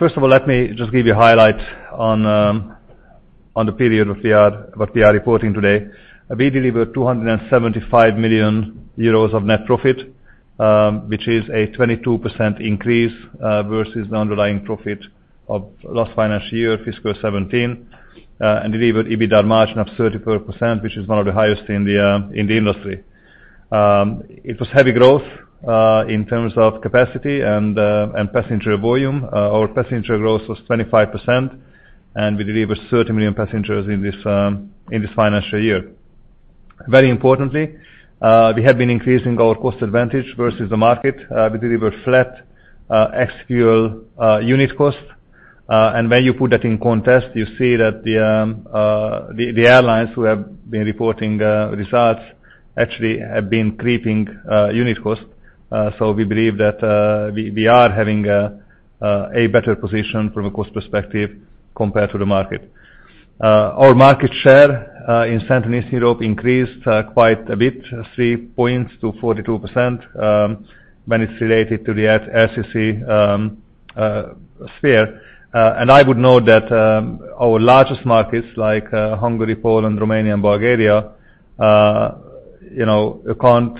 First of all, let me just give you a highlight on the period of what we are reporting today. We delivered 275 million euros of net profit, which is a 22% increase versus the underlying profit of last financial year, fiscal 2017. And delivered EBITDA margin of 34%, which is one of the highest in the industry. It was heavy growth in terms of capacity and passenger volume. Our passenger growth was 25%, and we delivered 30 million passengers in this financial year. Very importantly, we have been increasing our cost advantage versus the market. We delivered flat ex-fuel unit costs. When you put that in context, you see that the airlines who have been reporting results actually have been creeping unit costs. We believe that we are having a better position from a cost perspective compared to the market. Our market share in Central and Eastern Europe increased quite a bit, 3 points to 42% when it's related to the ULCC sphere. I would note that our largest markets like Hungary, Poland, Romania and Bulgaria, you know, account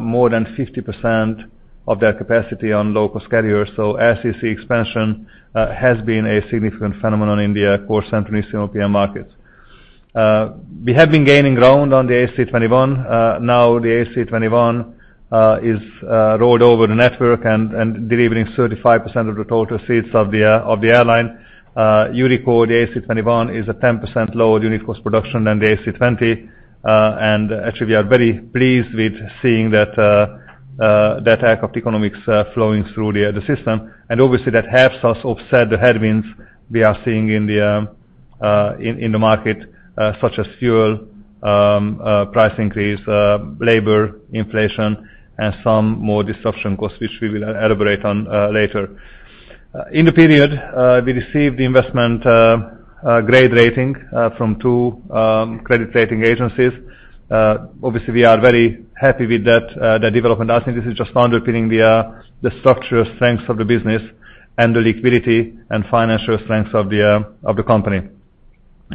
more than 50% of their capacity on low-cost carriers. LCC expansion has been a significant phenomenon in the core Central Eastern European markets. We have been gaining ground on the A321. Now the A321 is rolled over the network and delivering 35% of the total seats of the airline. You record the A321 is a 10% lower unit cost production than the A320. Actually we are very pleased with seeing that aircraft economics flowing through the system. Obviously that helps us offset the headwinds we are seeing in the market, such as fuel price increase, labor inflation, and some more disruption costs which we will elaborate on later. In the period, we received the investment grade rating from two credit rating agencies. Obviously we are very happy with that development. I think this is just underpinning the structural strength of the business and the liquidity and financial strength of the company.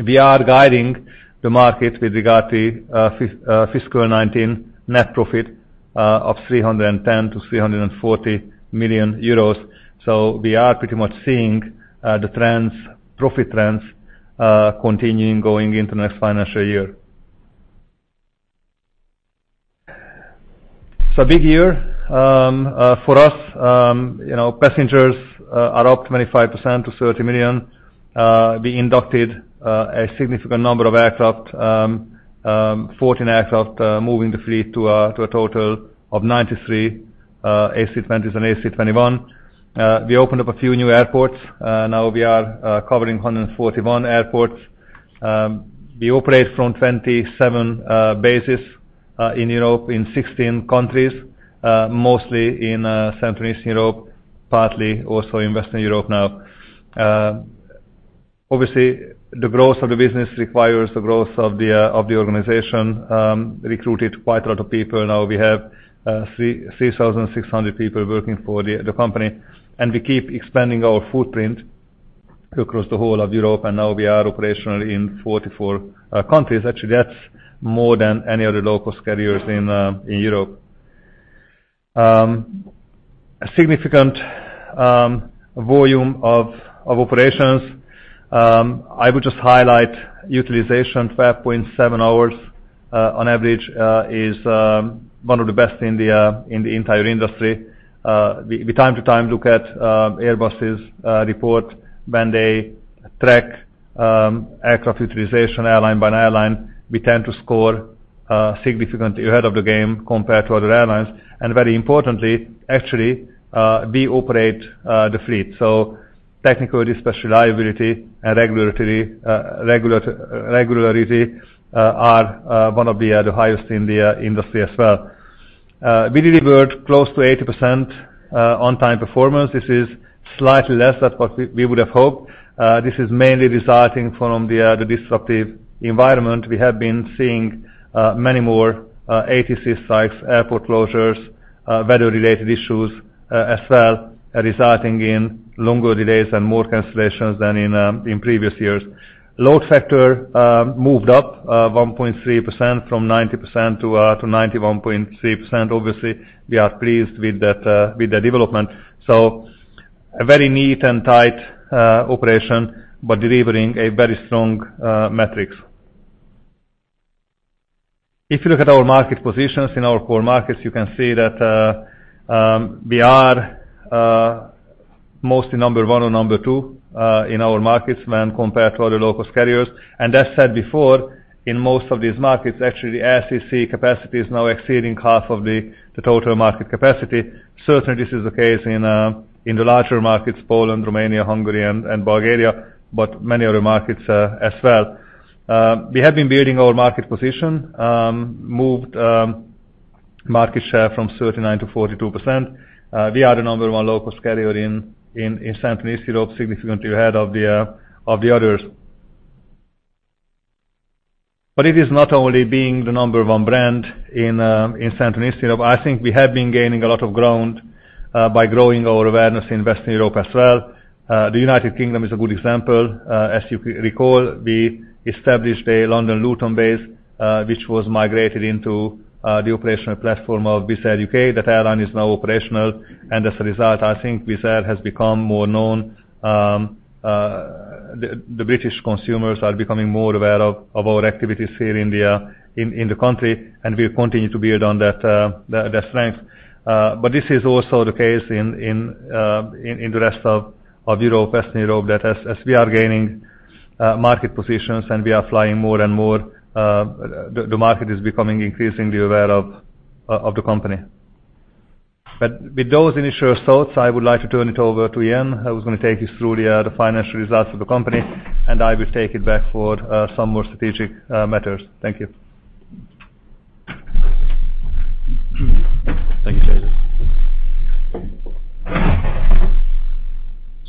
We are guiding the market with regard to fiscal 19 net profit of 310 million-340 million euros. We are pretty much seeing the trends, profit trends, continuing going into next financial year. It's a big year for us. You know, passengers are up 25% to 30 million. We inducted a significant number of aircraft, 14 aircraft, moving the fleet to a total of 93 A320s and A321s. We opened up a few new airports. Now we are covering 141 airports. We operate from 27 bases in Europe in 16 countries, mostly in Central and Eastern Europe, partly also in Western Europe now. Obviously, the growth of the business requires the growth of the organization. Recruited quite a lot of people. Now we have 3,600 people working for the company. We keep expanding our footprint across the whole of Europe, and now we are operational in 44 countries. Actually, that's more than any other low-cost carriers in Europe. A significant volume of operations. I would just highlight utilization. 12.7 hours on average is one of the best in the entire industry. We time to time look at Airbus's report when they track aircraft utilization airline by airline. We tend to score significantly ahead of the game compared to other airlines. Very importantly, actually, we operate the fleet. Technical, especially reliability and regularity, are one of the highest in the industry as well. We delivered close to 80% on time performance. This is slightly less than what we would have hoped. This is mainly resulting from the disruptive environment. We have been seeing many more ATC strikes, airport closures, weather-related issues as well, resulting in longer delays and more cancellations than in previous years. Load factor moved up 1.3% from 90%-91.3%. Obviously, we are pleased with that, with the development. A very neat and tight operation, but delivering a very strong metrics. If you look at our market positions in our core markets, you can see that we are mostly number one or number two in our markets when compared to other low-cost carriers. As said before, in most of these markets, actually the LCC capacity is now exceeding half of the total market capacity. Certainly, this is the case in the larger markets, Poland, Romania, Hungary and Bulgaria, but many other markets as well. We have been building our market position, moved market share from 39%-42%. We are the number one local carrier in Central and Eastern Europe, significantly ahead of the others. It is not only being the number one brand in Central and Eastern Europe. I think we have been gaining a lot of ground by growing our awareness in Western Europe as well. The United Kingdom is a good example. As you recall, we established a London Luton base, which was migrated into the operational platform of Wizz Air U.K. That airline is now operational, and as a result, I think Wizz Air has become more known. The British consumers are becoming more aware of our activities here in the country, and we continue to build on that strength. This is also the case in the rest of Europe, Western Europe, that as we are gaining market positions and we are flying more and more, the market is becoming increasingly aware of the company. With those initial thoughts, I would like to turn it over to Iain, who's going to take you through the financial results of the company, and I will take it back for some more strategic matters. Thank you. Thank you, József.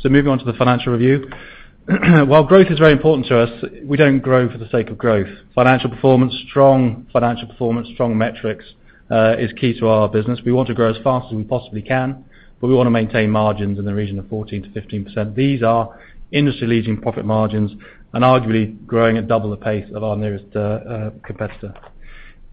Moving on to the financial review. While growth is very important to us, we don't grow for the sake of growth. Financial performance, strong financial performance, strong metrics is key to our business. We want to grow as fast as we possibly can, but we want to maintain margins in the region of 14%-15%. These are industry-leading profit margins and arguably growing at double the pace of our nearest competitor.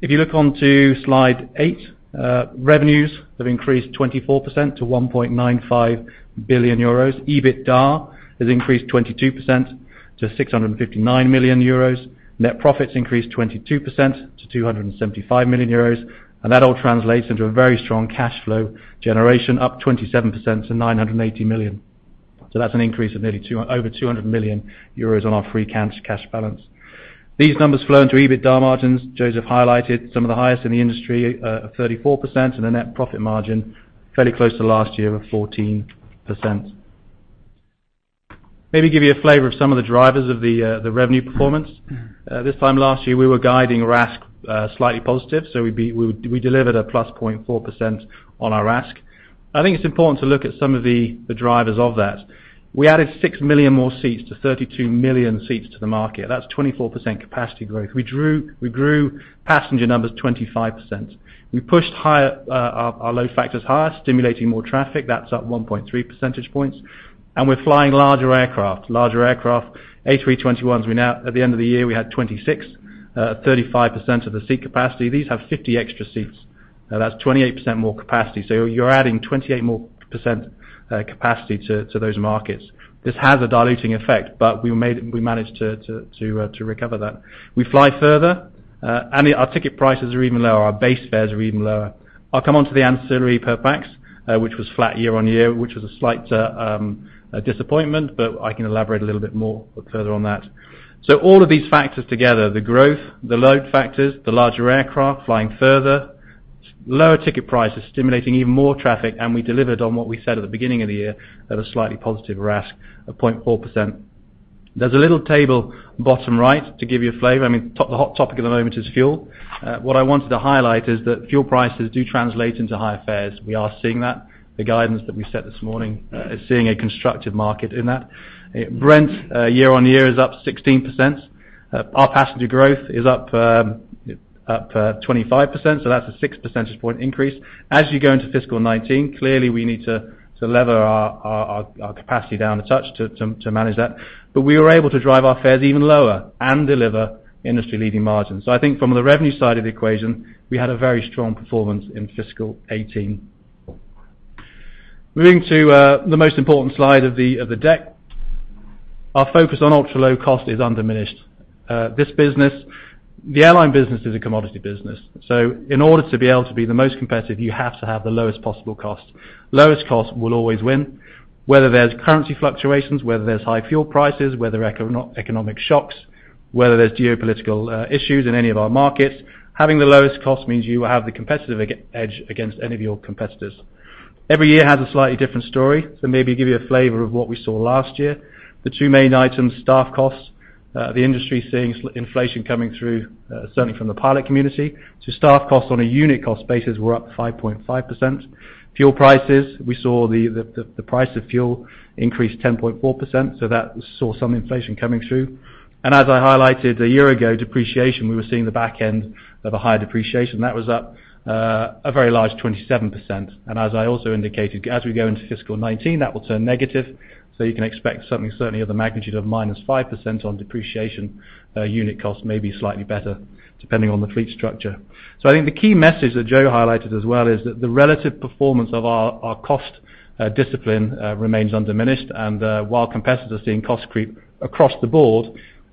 If you look onto slide eight, revenues have increased 24% to 1.95 billion euros. EBITDA has increased 22% to 659 million euros. Net profits increased 22% to 275 million euros. That all translates into a very strong cash flow generation, up 27% to 980 million. That's an increase of nearly over 200 million euros on our free cash balance. These numbers flow into EBITDA margins. József highlighted some of the highest in the industry, of 34%, and a net profit margin fairly close to last year of 14%. Maybe give you a flavor of some of the drivers of the revenue performance. This time last year, we were guiding RASK slightly positive, we delivered a +0.4% on our RASK. I think it's important to look at some of the drivers of that. We added 6 million more seats to 32 million seats to the market. That's 24% capacity growth. We grew passenger numbers 25%. We pushed higher our load factors higher, stimulating more traffic. That's up 1.3 percentage points. We're flying larger aircraft. Larger aircraft, A321s. At the end of the year, we had 26, 35% of the seat capacity. These have 50 extra seats. That's 28% more capacity. You're adding 28% more capacity to those markets. This has a diluting effect, but we managed to recover that. We fly further, our ticket prices are even lower. Our base fares are even lower. I'll come on to the ancillary per pax, which was flat year-on-year, which was a slight disappointment, but I can elaborate a little bit more further on that. All of these factors together, the growth, the load factors, the larger aircraft flying further, lower ticket prices stimulating even more traffic, and we delivered on what we said at the beginning of the year, at a slightly positive RASK of 0.4%. There's a little table bottom right to give you a flavor. I mean, the hot topic at the moment is fuel. What I wanted to highlight is that fuel prices do translate into higher fares. We are seeing that. The guidance that we set this morning is seeing a constructive market in that. Brent year-on-year is up 16%. Our passenger growth is up 25%, so that's a 6 percentage point increase. As you go into fiscal 2019, clearly we need to lever our capacity down a touch to manage that. We were able to drive our fares even lower and deliver industry-leading margins. I think from the revenue side of the equation, we had a very strong performance in fiscal 2018. Moving to the most important slide of the deck. Our focus on ultra-low cost is undiminished. The airline business is a commodity business. In order to be able to be the most competitive, you have to have the lowest possible cost. Lowest cost will always win. Whether there's currency fluctuations, whether there's high fuel prices, whether economic shocks, whether there's geopolitical issues in any of our markets, having the lowest cost means you have the competitive edge against any of your competitors. Every year has a slightly different story, so maybe give you a flavor of what we saw last year. The two main items, staff costs. The industry is seeing inflation coming through, certainly from the pilot community. Staff costs on a unit cost basis were up 5.5%. Fuel prices, we saw the price of fuel increase 10.4%, so that saw some inflation coming through. As I highlighted a year ago, depreciation, we were seeing the back end of a high depreciation. That was up a very large 27%. As I also indicated, as we go into fiscal 2019, that will turn negative. You can expect something certainly of the magnitude of -5% on depreciation. Unit cost may be slightly better depending on the fleet structure. I think the key message that József highlighted as well is that the relative performance of our cost discipline remains undiminished. While competitors are seeing costs creep across the board,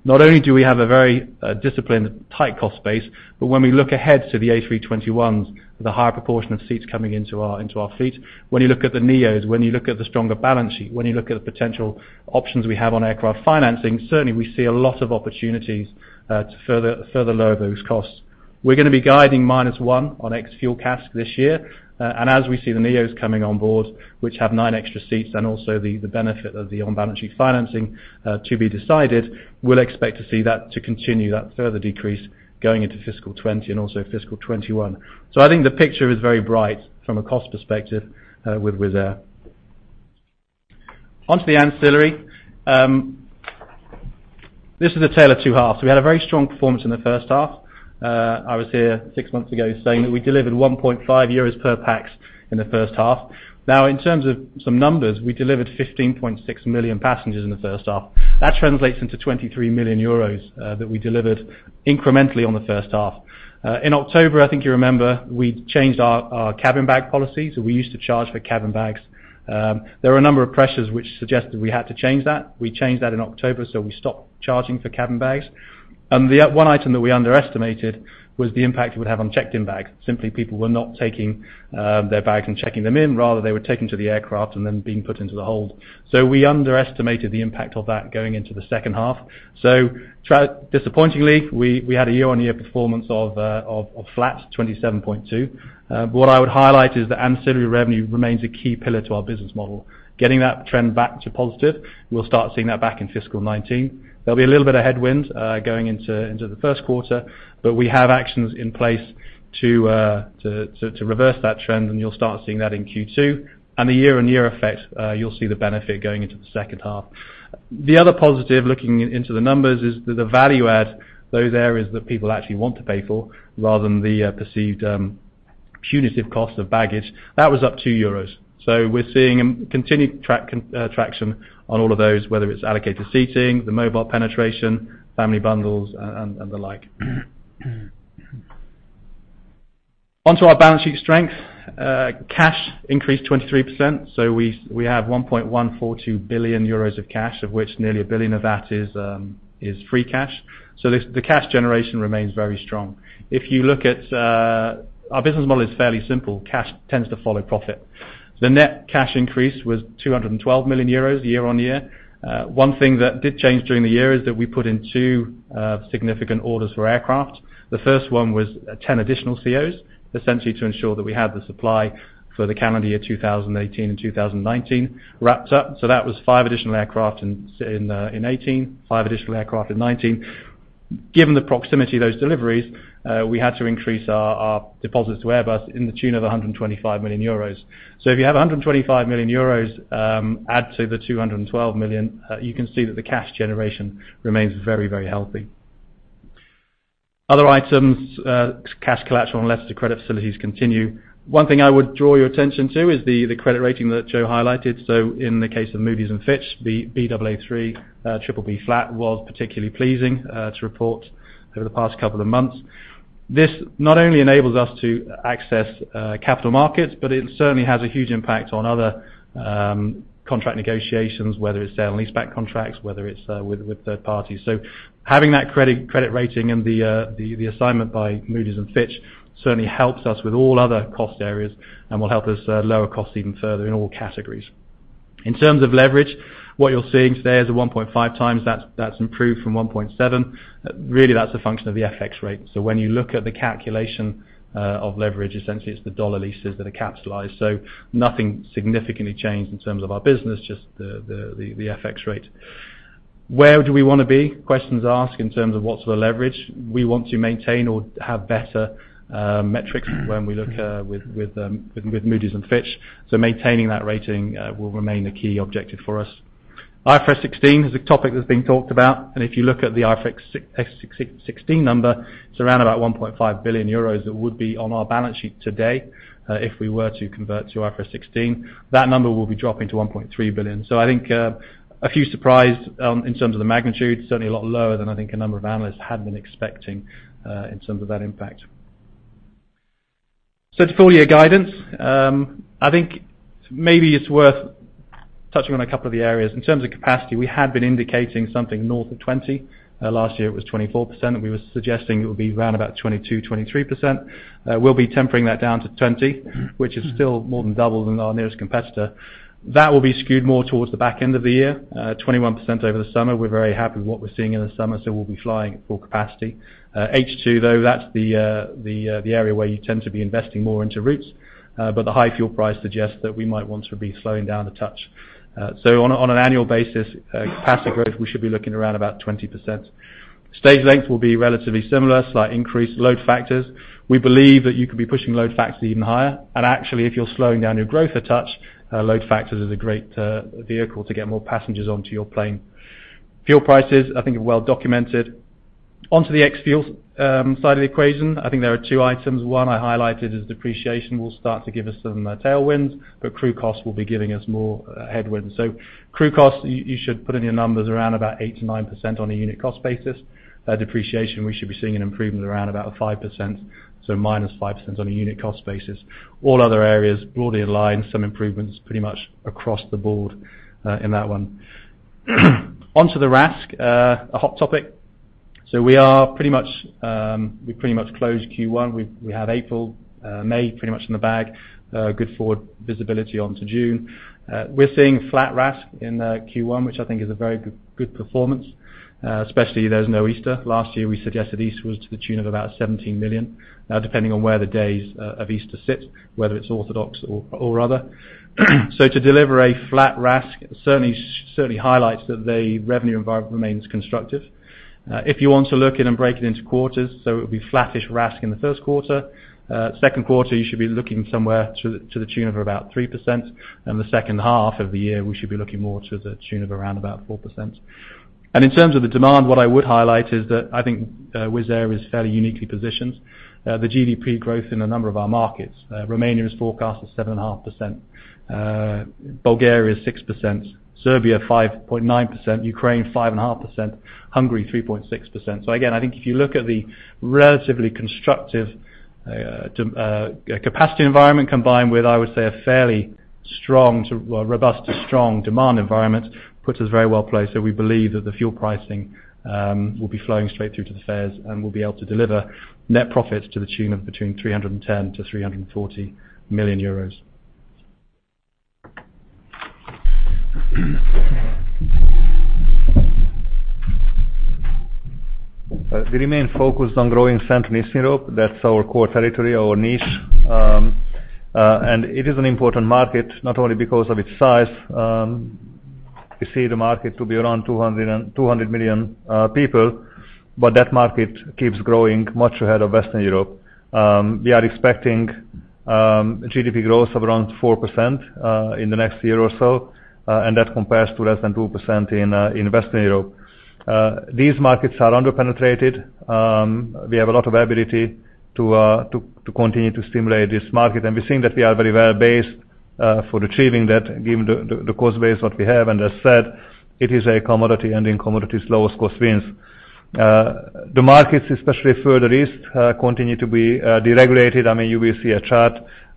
not only do we have a very disciplined tight cost base, but when we look ahead to the A321s, the higher proportion of seats coming into our, into our fleet. When you look at the NEOs, when you look at the stronger balance sheet, when you look at the potential options we have on aircraft financing, certainly we see a lot of opportunities to further lower those costs. We're gonna be guiding -1 on ex-fuel CASK this year. As we see the NEOs coming on board, which have nine extra seats and also the benefit of the on-balance sheet financing, to be decided, we'll expect to see that to continue, that further decrease going into fiscal 2020 and also fiscal 2021. I think the picture is very bright from a cost perspective. Onto the ancillary. This is a tale of two halves. We had a very strong performance in the first half. I was here six months ago saying that we delivered 1.5 euros per pax in the first half. In terms of some numbers, we delivered 15.6 million passengers in the first half. That translates into 23 million euros that we delivered incrementally on the first half. In October, I think you remember, we changed our cabin bag policy. We used to charge for cabin bags. There were a number of pressures which suggested we had to change that. We changed that in October, we stopped charging for cabin bags. The one item that we underestimated was the impact it would have on checked-in bags. Simply, people were not taking their bag and checking them in. Rather, they were taking to the aircraft and then being put into the hold. We underestimated the impact of that going into the second half. disappointingly, we had a year-on-year performance of flat, 27.2. What I would highlight is that ancillary revenue remains a key pillar to our business model. Getting that trend back to positive, we will start seeing that back in fiscal 2019. There'll be a little bit of headwind going into the first quarter, we have actions in place to reverse that trend, and you'll start seeing that in Q2. The year-on-year effect, you'll see the benefit going into the second half. The other positive looking into the numbers is the value add, those areas that people actually want to pay for rather than the perceived punitive cost of baggage. That was up 2 euros. We're seeing a continued traction on all of those, whether it's allocated seating, the mobile penetration, family bundles, and the like. Onto our balance sheet strength. Cash increased 23%, we have 1.142 billion euros of cash, of which nearly 1 billion of that is free cash. The cash generation remains very strong. If you look at, our business model is fairly simple. Cash tends to follow profit. The net cash increase was 212 million euros year-on-year. One thing that did change during the year is that we put in two significant orders for aircraft. The first one was 10 additional CEOs, essentially to ensure that we had the supply for the calendar year 2018 and 2019 wrapped up. That was five additional aircraft in 2018, five additional aircraft in 2019. Given the proximity of those deliveries, we had to increase our deposits to Airbus in the tune of 125 million euros. If you have 125 million euros, add to the 212 million, you can see that the cash generation remains very healthy. Other items, cash collateral and letters of credit facilities continue. One thing I would draw your attention to is the credit rating that József highlighted. In the case of Moody's and Fitch, the Baa3, BBB- was particularly pleasing to report over the past couple of months. This not only enables us to access capital markets, but it certainly has a huge impact on other contract negotiations, whether it's sale and leaseback contracts, whether it's with third parties. Having that credit rating and the assignment by Moody's and Fitch certainly helps us with all other cost areas and will help us lower costs even further in all categories. In terms of leverage, what you're seeing today is a 1.5x. That's improved from 1.7. Really that's a function of the FX rate. When you look at the calculation of leverage, essentially it's the dollar leases that are capitalized. Nothing significantly changed in terms of our business, just the FX rate. Where do we want to be? Questions asked in terms of what sort of leverage we want to maintain or have better metrics when we look with Moody's and Fitch. Maintaining that rating will remain a key objective for us. IFRS 16 is a topic that's being talked about. If you look at the IFRS 16 number, it's around about 1.5 billion euros that would be on our balance sheet today if we were to convert to IFRS 16. That number will be dropping to 1.3 billion. I think a few surprise in terms of the magnitude. Certainly a lot lower than I think a number of analysts had been expecting in terms of that impact. To full-year guidance, I think maybe it's worth touching on a couple of the areas. In terms of capacity, we had been indicating something north of 20. Last year it was 24%, and we were suggesting it would be around about 22%-23%. We'll be tempering that down to 20, which is still more than double than our nearest competitor. That will be skewed more towards the back end of the year. 21% over the summer. We're very happy with what we're seeing in the summer, so we'll be flying at full capacity. H2, though, that's the area where you tend to be investing more into routes. The high fuel price suggests that we might want to be slowing down a touch. On an annual basis, capacity growth, we should be looking around about 20%. Stage length will be relatively similar, slight increase load factors. We believe that you could be pushing load factors even higher. Actually, if you're slowing down your growth a touch, load factors is a great vehicle to get more passengers onto your plane. Fuel prices, I think are well documented. Onto the ex-fuel side of the equation, I think there are two items. One I highlighted is depreciation will start to give us some tailwinds, but crew costs will be giving us more headwinds. Crew costs, you should put in your numbers around about 8%-9% on a unit cost basis. Depreciation, we should be seeing an improvement around about 5%, so -5% on a unit cost basis. All other areas broadly in line, some improvements pretty much across the board, in that one. Onto the RASK, a hot topic. We are pretty much closed Q1. We have April, May pretty much in the bag. Good forward visibility on to June. We are seeing flat RASK in Q1, which I think is a very good performance, especially there is no Easter. Last year, we suggested Easter was to the tune of about 17 million, depending on where the days of Easter sit, whether it is Orthodox or other. So to deliver a flat RASK certainly highlights that the revenue environment remains constructive. If you want to look at and break it into quarters, so it would be flattish RASK in the first quarter. Second quarter, you should be looking somewhere to the tune of about 3%. The second half of the year, we should be looking more to the tune of 4%. In terms of the demand, what I would highlight is that I think Wizz Air is fairly uniquely positioned. The GDP growth in a number of our markets. Romania is forecast at 7.5%. Bulgaria is 6%, Serbia 5.9%, Ukraine 5.5%, Hungary 3.6%. Again, I think if you look at the relatively constructive capacity environment combined with, I would say, a fairly strong to robust to strong demand environment, puts us very well-placed. We believe that the fuel pricing will be flowing straight through to the fares, and we'll be able to deliver net profits to the tune of between 310 million-340 million euros. We remain focused on growing Central Eastern Europe. That's our core territory, our niche. It is an important market, not only because of its size. We see the market to be around 200 million people, that market keeps growing much ahead of Western Europe. We are expecting GDP growth of around 4% in the next year or so, that compares to less than 2% in Western Europe. These markets are under-penetrated. We have a lot of ability to continue to stimulate this market, we think that we are very well-based for achieving that given the cost base what we have. As said, it is a commodity, and in commodities, lowest cost wins. The markets, especially further east, continue to be deregulated. I mean, you will see a chart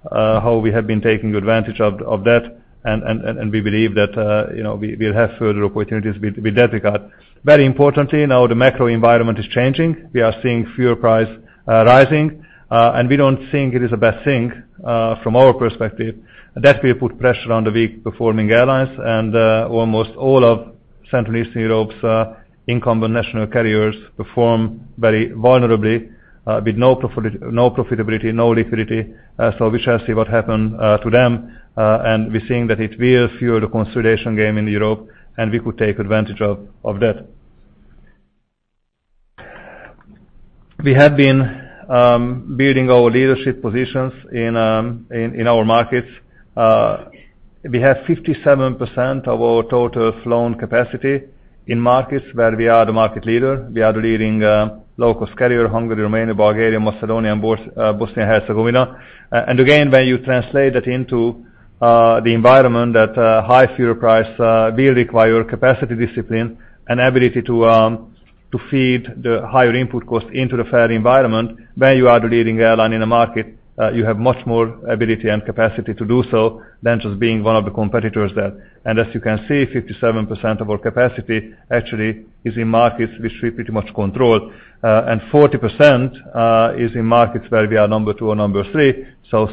how we have been taking advantage of that and we believe that, you know, we'll have further opportunities with that regard. Very importantly, now the macro environment is changing. We are seeing fuel price rising, and we don't think it is a bad thing from our perspective. That will put pressure on the weak-performing airlines and almost all of Central Eastern Europe's incumbent national carriers perform very vulnerably, with no profitability, no liquidity. We shall see what happen to them, and we're seeing that it will fuel the consolidation game in Europe, and we could take advantage of that. We have been building our leadership positions in our markets. We have 57% of our total flown capacity in markets where we are the market leader. We are the leading low-cost carrier, Hungary, Romania, Bulgaria, Macedonia, and Bosnia Herzegovina. Again, when you translate that into the environment that high fuel price will require capacity discipline and ability to feed the higher input cost into the fare environment. Where you are the leading airline in the market, you have much more ability and capacity to do so than just being one of the competitors there. As you can see, 57% of our capacity actually is in markets which we pretty much control. 40% is in markets where we are number two or number three, still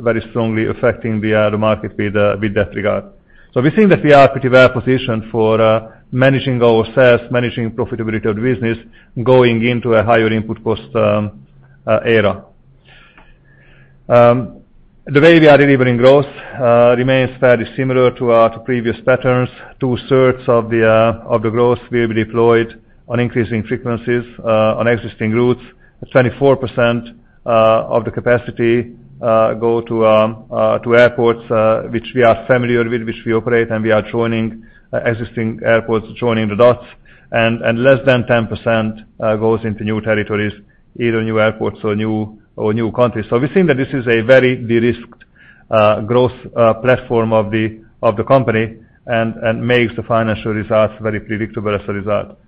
very strongly affecting the market with that regard. We think that we are pretty well-positioned for managing our sales, managing profitability of the business, going into a higher input cost era. The way we are delivering growth remains fairly similar to our previous patterns. 2/3 of the growth will be deployed on increasing frequencies on existing routes. 24% of the capacity go to airports which we are familiar with, which we operate, and we are joining existing airports, joining the dots, and less than 10% goes into new territories, either new airports or new countries. We think that this is a very de-risked growth platform of the company and makes the financial results very predictable as a result.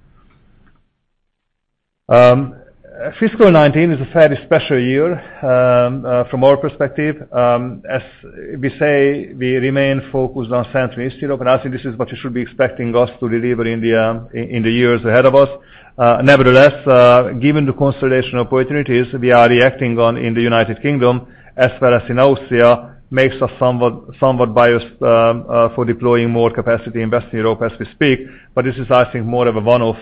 Fiscal 19 is a fairly special year from our perspective. As we say, we remain focused on Central Eastern Europe, and I think this is what you should be expecting us to deliver in the years ahead of us. Nevertheless, given the consolidation opportunities we are reacting on in the U.K. as well as in Austria makes us somewhat biased for deploying more capacity in Western Europe as we speak. This is, I think, more of a one-off.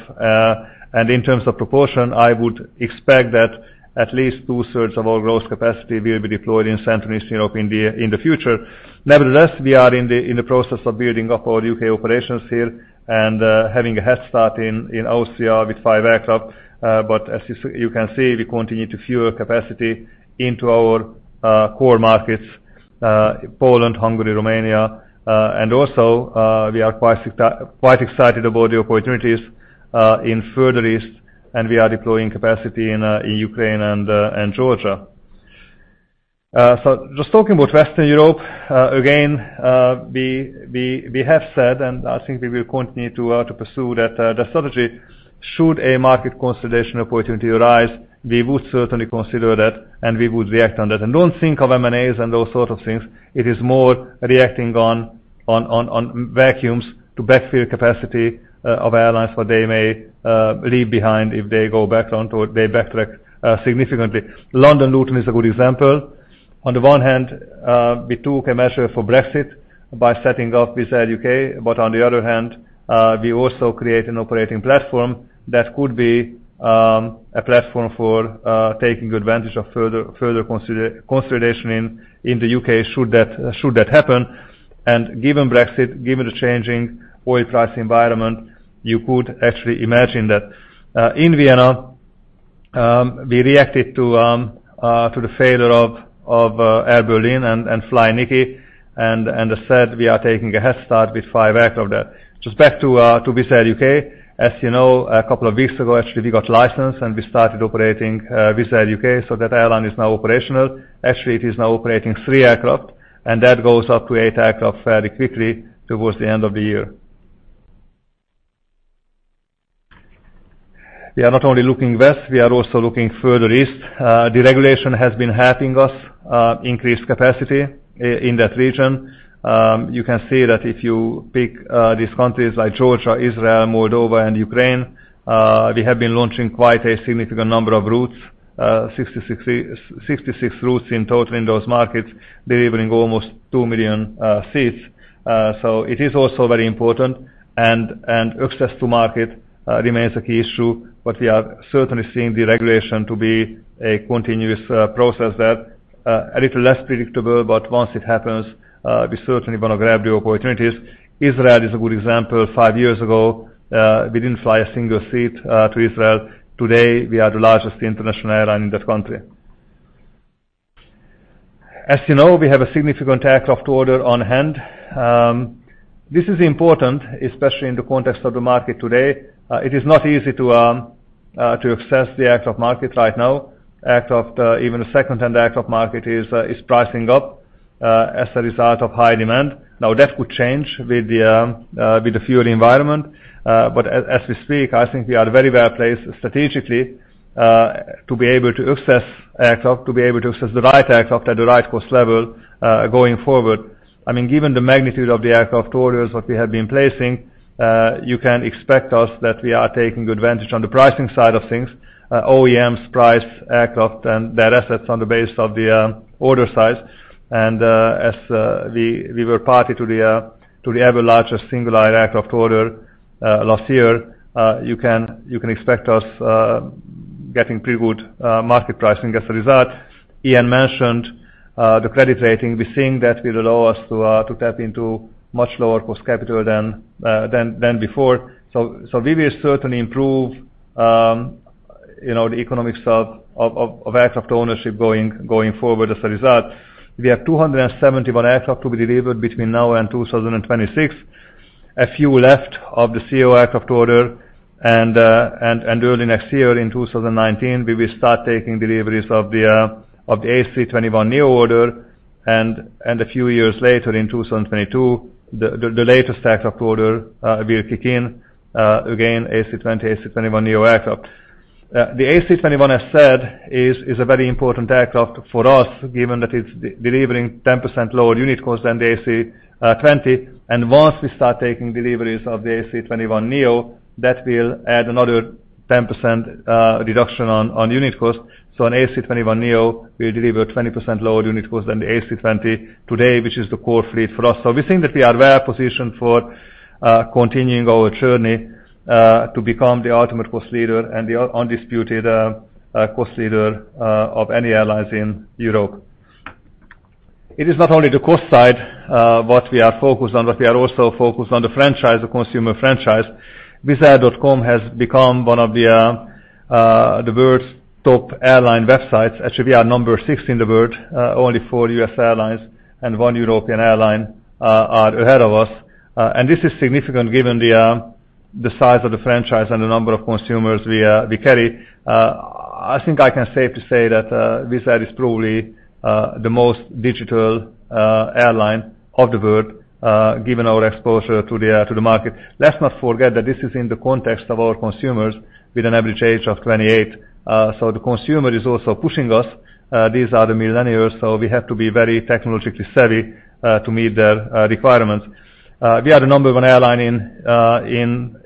And in terms of proportion, I would expect that at least two-thirds of our growth capacity will be deployed in Central Eastern Europe in the future. Nevertheless, we are in the process of building up our U.K. operations here and having a head start in Austria with five aircraft. As you can see, we continue to fuel capacity into our core markets, Poland, Hungary, Romania. Also, we are quite excited about the opportunities in further east, we are deploying capacity in Ukraine and Georgia. Just talking about Western Europe again, we have said, I think we will continue to pursue that strategy should a market consolidation opportunity arise. We would certainly consider that, we would react on that. Don't think of M&As and those sort of things. It is more reacting on vacuums to backfill capacity of airlines where they may leave behind if they go back onto or they backtrack significantly. London Luton is a good example. On the one hand, we took a measure for Brexit by setting up Wizz Air U.K, but on the other hand, we also create an operating platform that could be a platform for taking advantage of further consolidation in the U.K. should that happen. Given Brexit, given the changing oil price environment, you could actually imagine that in Vienna. We reacted to the failure of Air Berlin and Niki and said we are taking a head start with five aircraft of that. Just back to Wizz Air U.K. As you know, a couple of weeks ago, actually, we got licensed and we started operating, Wizz Air U.K, so that airline is now operational. Actually, it is now operating three aircraft, and that goes up to eight aircraft fairly quickly towards the end of the year. We are not only looking west, we are also looking further east. Deregulation has been helping us increase capacity in that region. You can see that if you pick these countries like Georgia, Israel, Moldova and Ukraine, we have been launching quite a significant number of routes, 66 routes in total in those markets, delivering almost 2 million seats. It is also very important and access to market remains a key issue, but we are certainly seeing deregulation to be a continuous process that a little less predictable, but once it happens, we certainly want to grab the opportunities. Israel is a good example. Five years ago, we didn't fly a single seat to Israel. Today, we are the largest international airline in that country. As you know, we have a significant aircraft order on hand. This is important, especially in the context of the market today. It is not easy to access the aircraft market right now. Aircraft, even the second-hand aircraft market is pricing up as a result of high demand. Now, that could change with the fuel environment. As we speak, I think we are very well-placed strategically to be able to access aircraft, to be able to access the right aircraft at the right cost level going forward. I mean, given the magnitude of the aircraft orders that we have been placing, you can expect us that we are taking advantage on the pricing side of things. OEMs price aircraft and their assets on the base of the order size. As we were party to the ever-largest single-aisle aircraft order last year, you can expect us getting pretty good market pricing as a result. Iain mentioned the credit rating. We're seeing that will allow us to tap into much lower cost capital than before. We will certainly improve the economics of aircraft ownership going forward as a result. We have 271 aircraft to be delivered between now and 2026. A few left of the CEO aircraft order and early next year in 2019, we will start taking deliveries of the A321neo order. A few years later in 2022, the latest aircraft order will kick in, again, A320, A321neo aircraft. The A321, as said, is a very important aircraft for us given that it's delivering 10% lower unit cost than the A320. Once we start taking deliveries of the A321neo, that will add another 10% reduction on unit cost. An A321neo will deliver 20% lower unit cost than the A320 today, which is the core fleet for us. We think that we are well-positioned for continuing our journey to become the ultimate cost leader and the undisputed cost leader of any airlines in Europe. It is not only the cost side what we are focused on, but we are also focused on the franchise, the consumer franchise. wizzair.com has become one of the world's top airline websites. Actually, we are number 60 in the world. Only four U.S. airlines and one European airline are ahead of us. This is significant given the size of the franchise and the number of consumers we carry. I think I can safely say that Wizz Air is probably the most digital airline of the world, given our exposure to the market. Let's not forget that this is in the context of our consumers with an average age of 28. The consumer is also pushing us. These are the millennials, so we have to be very technologically savvy to meet their requirements. We are the number one airline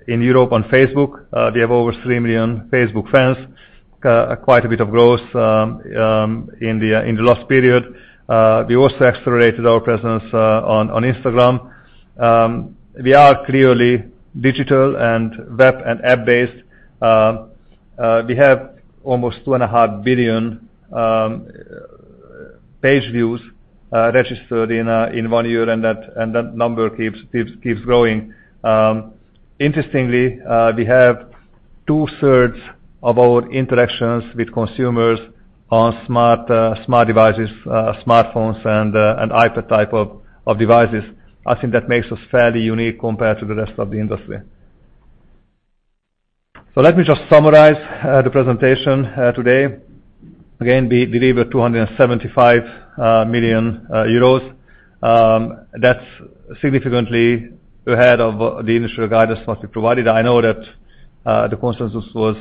in Europe on Facebook. We have over 3 million Facebook fans. Quite a bit of growth in the last period. We also accelerated our presence on Instagram. We are clearly digital and web and app-based. We have almost 2.5 billion page views registered in one-year, and that number keeps growing. Interestingly, we have 2/3 of our interactions with consumers on smart devices, smartphones and iPad type of devices. I think that makes us fairly unique compared to the rest of the industry. Let me just summarize the presentation today. Again, we delivered 275 million euros. That's significantly ahead of the initial guidance what we provided. I know that the consensus was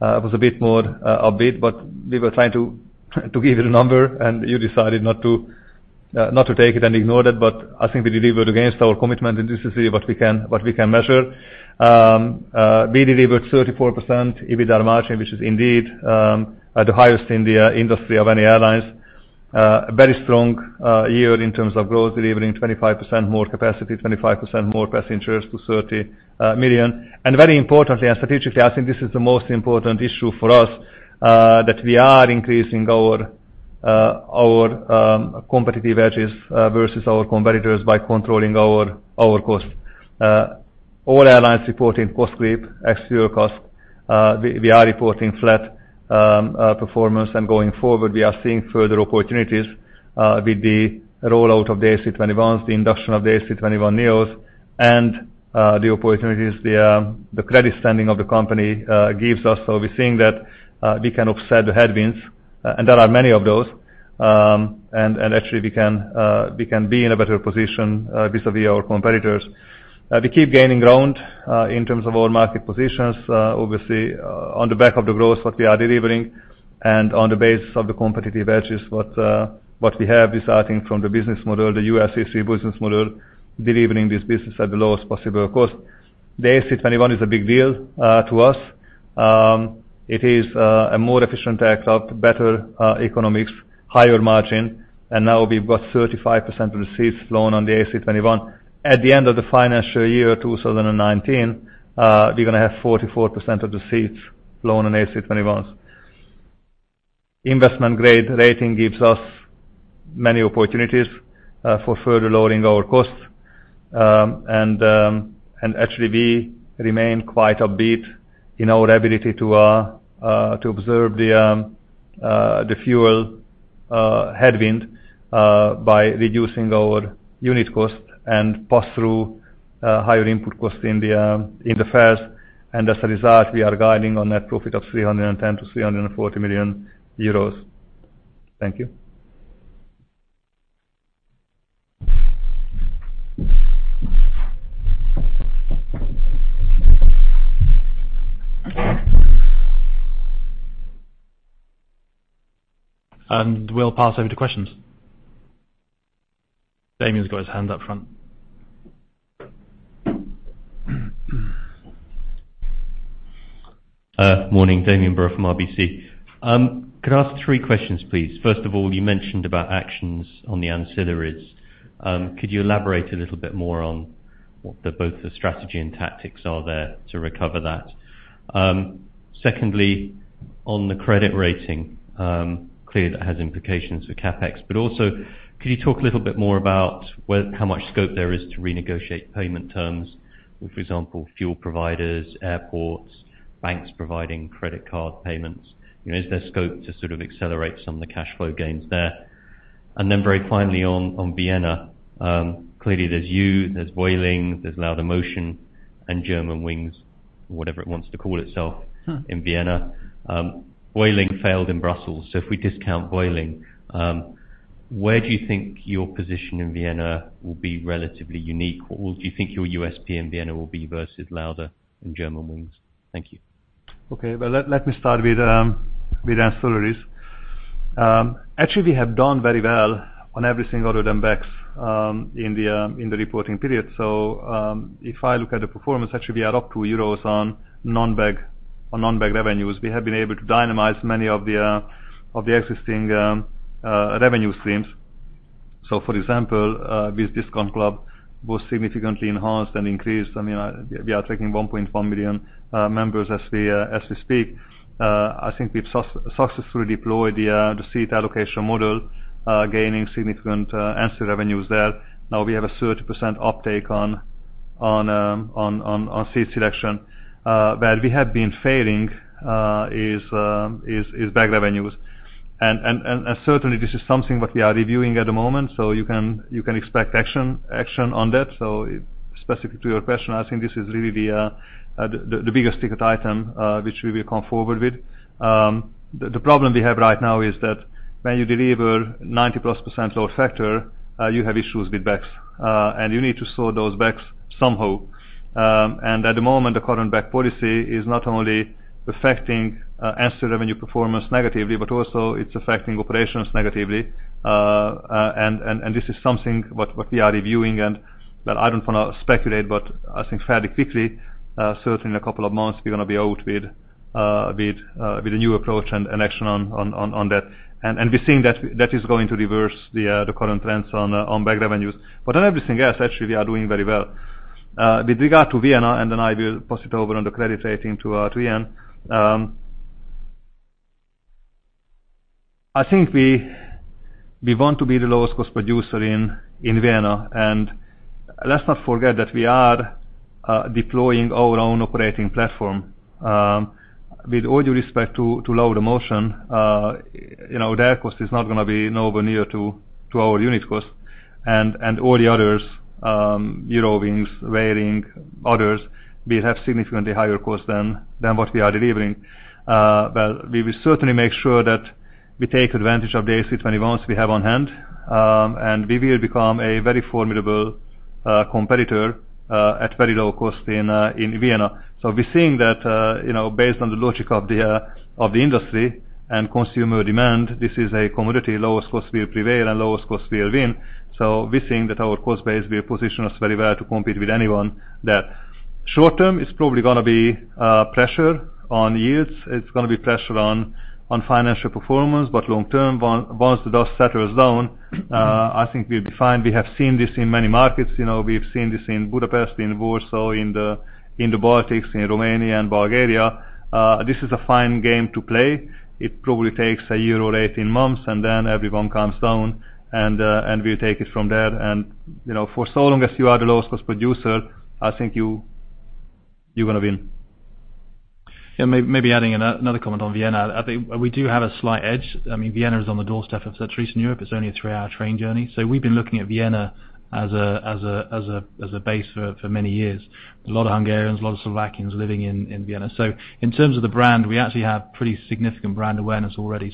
a bit more upbeat, but we were trying to give you the number, and you decided not to take it and ignore that. I think we delivered against our commitment, and this is really what we can measure. We delivered 34% EBITDA margin, which is indeed the highest in the industry of any airlines. A very strong year in terms of growth, delivering 25% more capacity, 25% more passengers to 30 million. Very importantly, and strategically, I think this is the most important issue for us, that we are increasing our competitive edges versus our competitors by controlling our costs. All airlines reporting cost creep, ex-fuel cost. We are reporting flat performance. Going forward, we are seeing further opportunities with the rollout of the A321s, the induction of the A321neos, and the opportunities the credit standing of the company gives us. We're seeing that we can offset the headwinds, and there are many of those. Actually, we can be in a better position vis-à-vis our competitors. We keep gaining ground in terms of our market positions, obviously, on the back of the growth what we are delivering and on the basis of the competitive edges what we have, this adding from the business model, the ULCC business model, delivering this business at the lowest possible cost. The A321 is a big deal to us. It is a more efficient aircraft, better economics, higher margin, and now we've got 35% of the seats flown on the A321. At the end of the financial year 2019, we're gonna have 44% of the seats flown on A321s. Investment-grade rating gives us many opportunities for further lowering our costs. Actually we remain quite upbeat in our ability to observe the fuel headwind by reducing our unit cost and pass through higher input costs in the fares. As a result, we are guiding on net profit of 310 million-340 million euros. Thank you. We'll pass over to questions. Damian's got his hand up front. Morning. Damian Brewer from RBC. Could I ask three questions, please? First of all, you mentioned about actions on the ancillaries. Could you elaborate a little bit more on what both the strategy and tactics are there to recover that? Secondly, on the credit rating, clearly that has implications for CapEx, but also could you talk a little bit more about how much scope there is to renegotiate payment terms with, for example, fuel providers, airports, banks providing credit card payments? You know, is there scope to sort of accelerate some of the cash flow gains there? Very finally on Vienna, clearly there's Vueling, there's Laudamotion, and Germanwings, whatever it wants to call itself. in Vienna. Vueling failed in Brussels. If we discount Vueling, where do you think your position in Vienna will be relatively unique, or what do you think your USP in Vienna will be versus Lauda and Germanwings? Thank you. Okay. Well, let me start with ancillaries. Actually, we have done very well on everything other than bags in the reporting period. If I look at the performance, actually we are up EUR 2 on non-bag revenues. We have been able to dynamize many of the existing revenue streams. For example, Wizz Discount Club was significantly enhanced and increased. I mean, we are taking 1.4 million members as we speak. I think we've successfully deployed the seat allocation model, gaining significant ancillary revenues there. Now we have a 30% uptake on seat selection. Where we have been failing is bag revenues. Certainly this is something what we are reviewing at the moment, so you can expect action on that. Specific to your question, I think this is really the biggest ticket item which we will come forward with. The problem we have right now is that when you deliver 90%+ load factor, you have issues with bags. You need to sort those bags somehow. At the moment, the current bag policy is not only affecting ancillary revenue performance negatively, but also it's affecting operations negatively. This is something what we are reviewing and that I don't want to speculate, but I think fairly quickly, certainly in a couple of months we are going to be out with a new approach and action on that. We are seeing that is going to reverse the current trends on bag revenues. On everything else, actually we are doing very well. With regard to Vienna, I will pass it over on the credit rating to Iain. I think we want to be the lowest cost producer in Vienna, and let's not forget that we are deploying our own operating platform. With all due respect to Laudamotion, their cost is not going to be nowhere near to our unit cost. All the others, Eurowings, Vueling, others, will have significantly higher cost than what we are delivering. We will certainly make sure that we take advantage of the A321s we have on hand, and we will become a very formidable competitor at very low cost in Vienna. We're seeing that, based on the logic of the industry and consumer demand, this is a commodity, lowest cost will prevail and lowest cost will win. We're seeing that our cost base will position us very well to compete with anyone there. Short term, it's probably going to be pressure on yields. It's going to be pressure on financial performance. Long term, once the dust settles down, I think we'll be fine. We have seen this in many markets. You know, we've seen this in Budapest, in Warsaw, in the Baltics, in Romania and Bulgaria. This is a fine game to play. It probably takes one-year or 18 months, and then everyone calms down. We'll take it from there. You know, for so long as you are the lowest cost producer, I think you're gonna win. Maybe adding another comment on Vienna. I think we do have a slight edge. I mean, Vienna is on the doorstep of Central Eastern Europe. It's only a three-hour train journey. We've been looking at Vienna as a base for many years. A lot of Hungarians, a lot of Slovakians living in Vienna. In terms of the brand, we actually have pretty significant brand awareness already.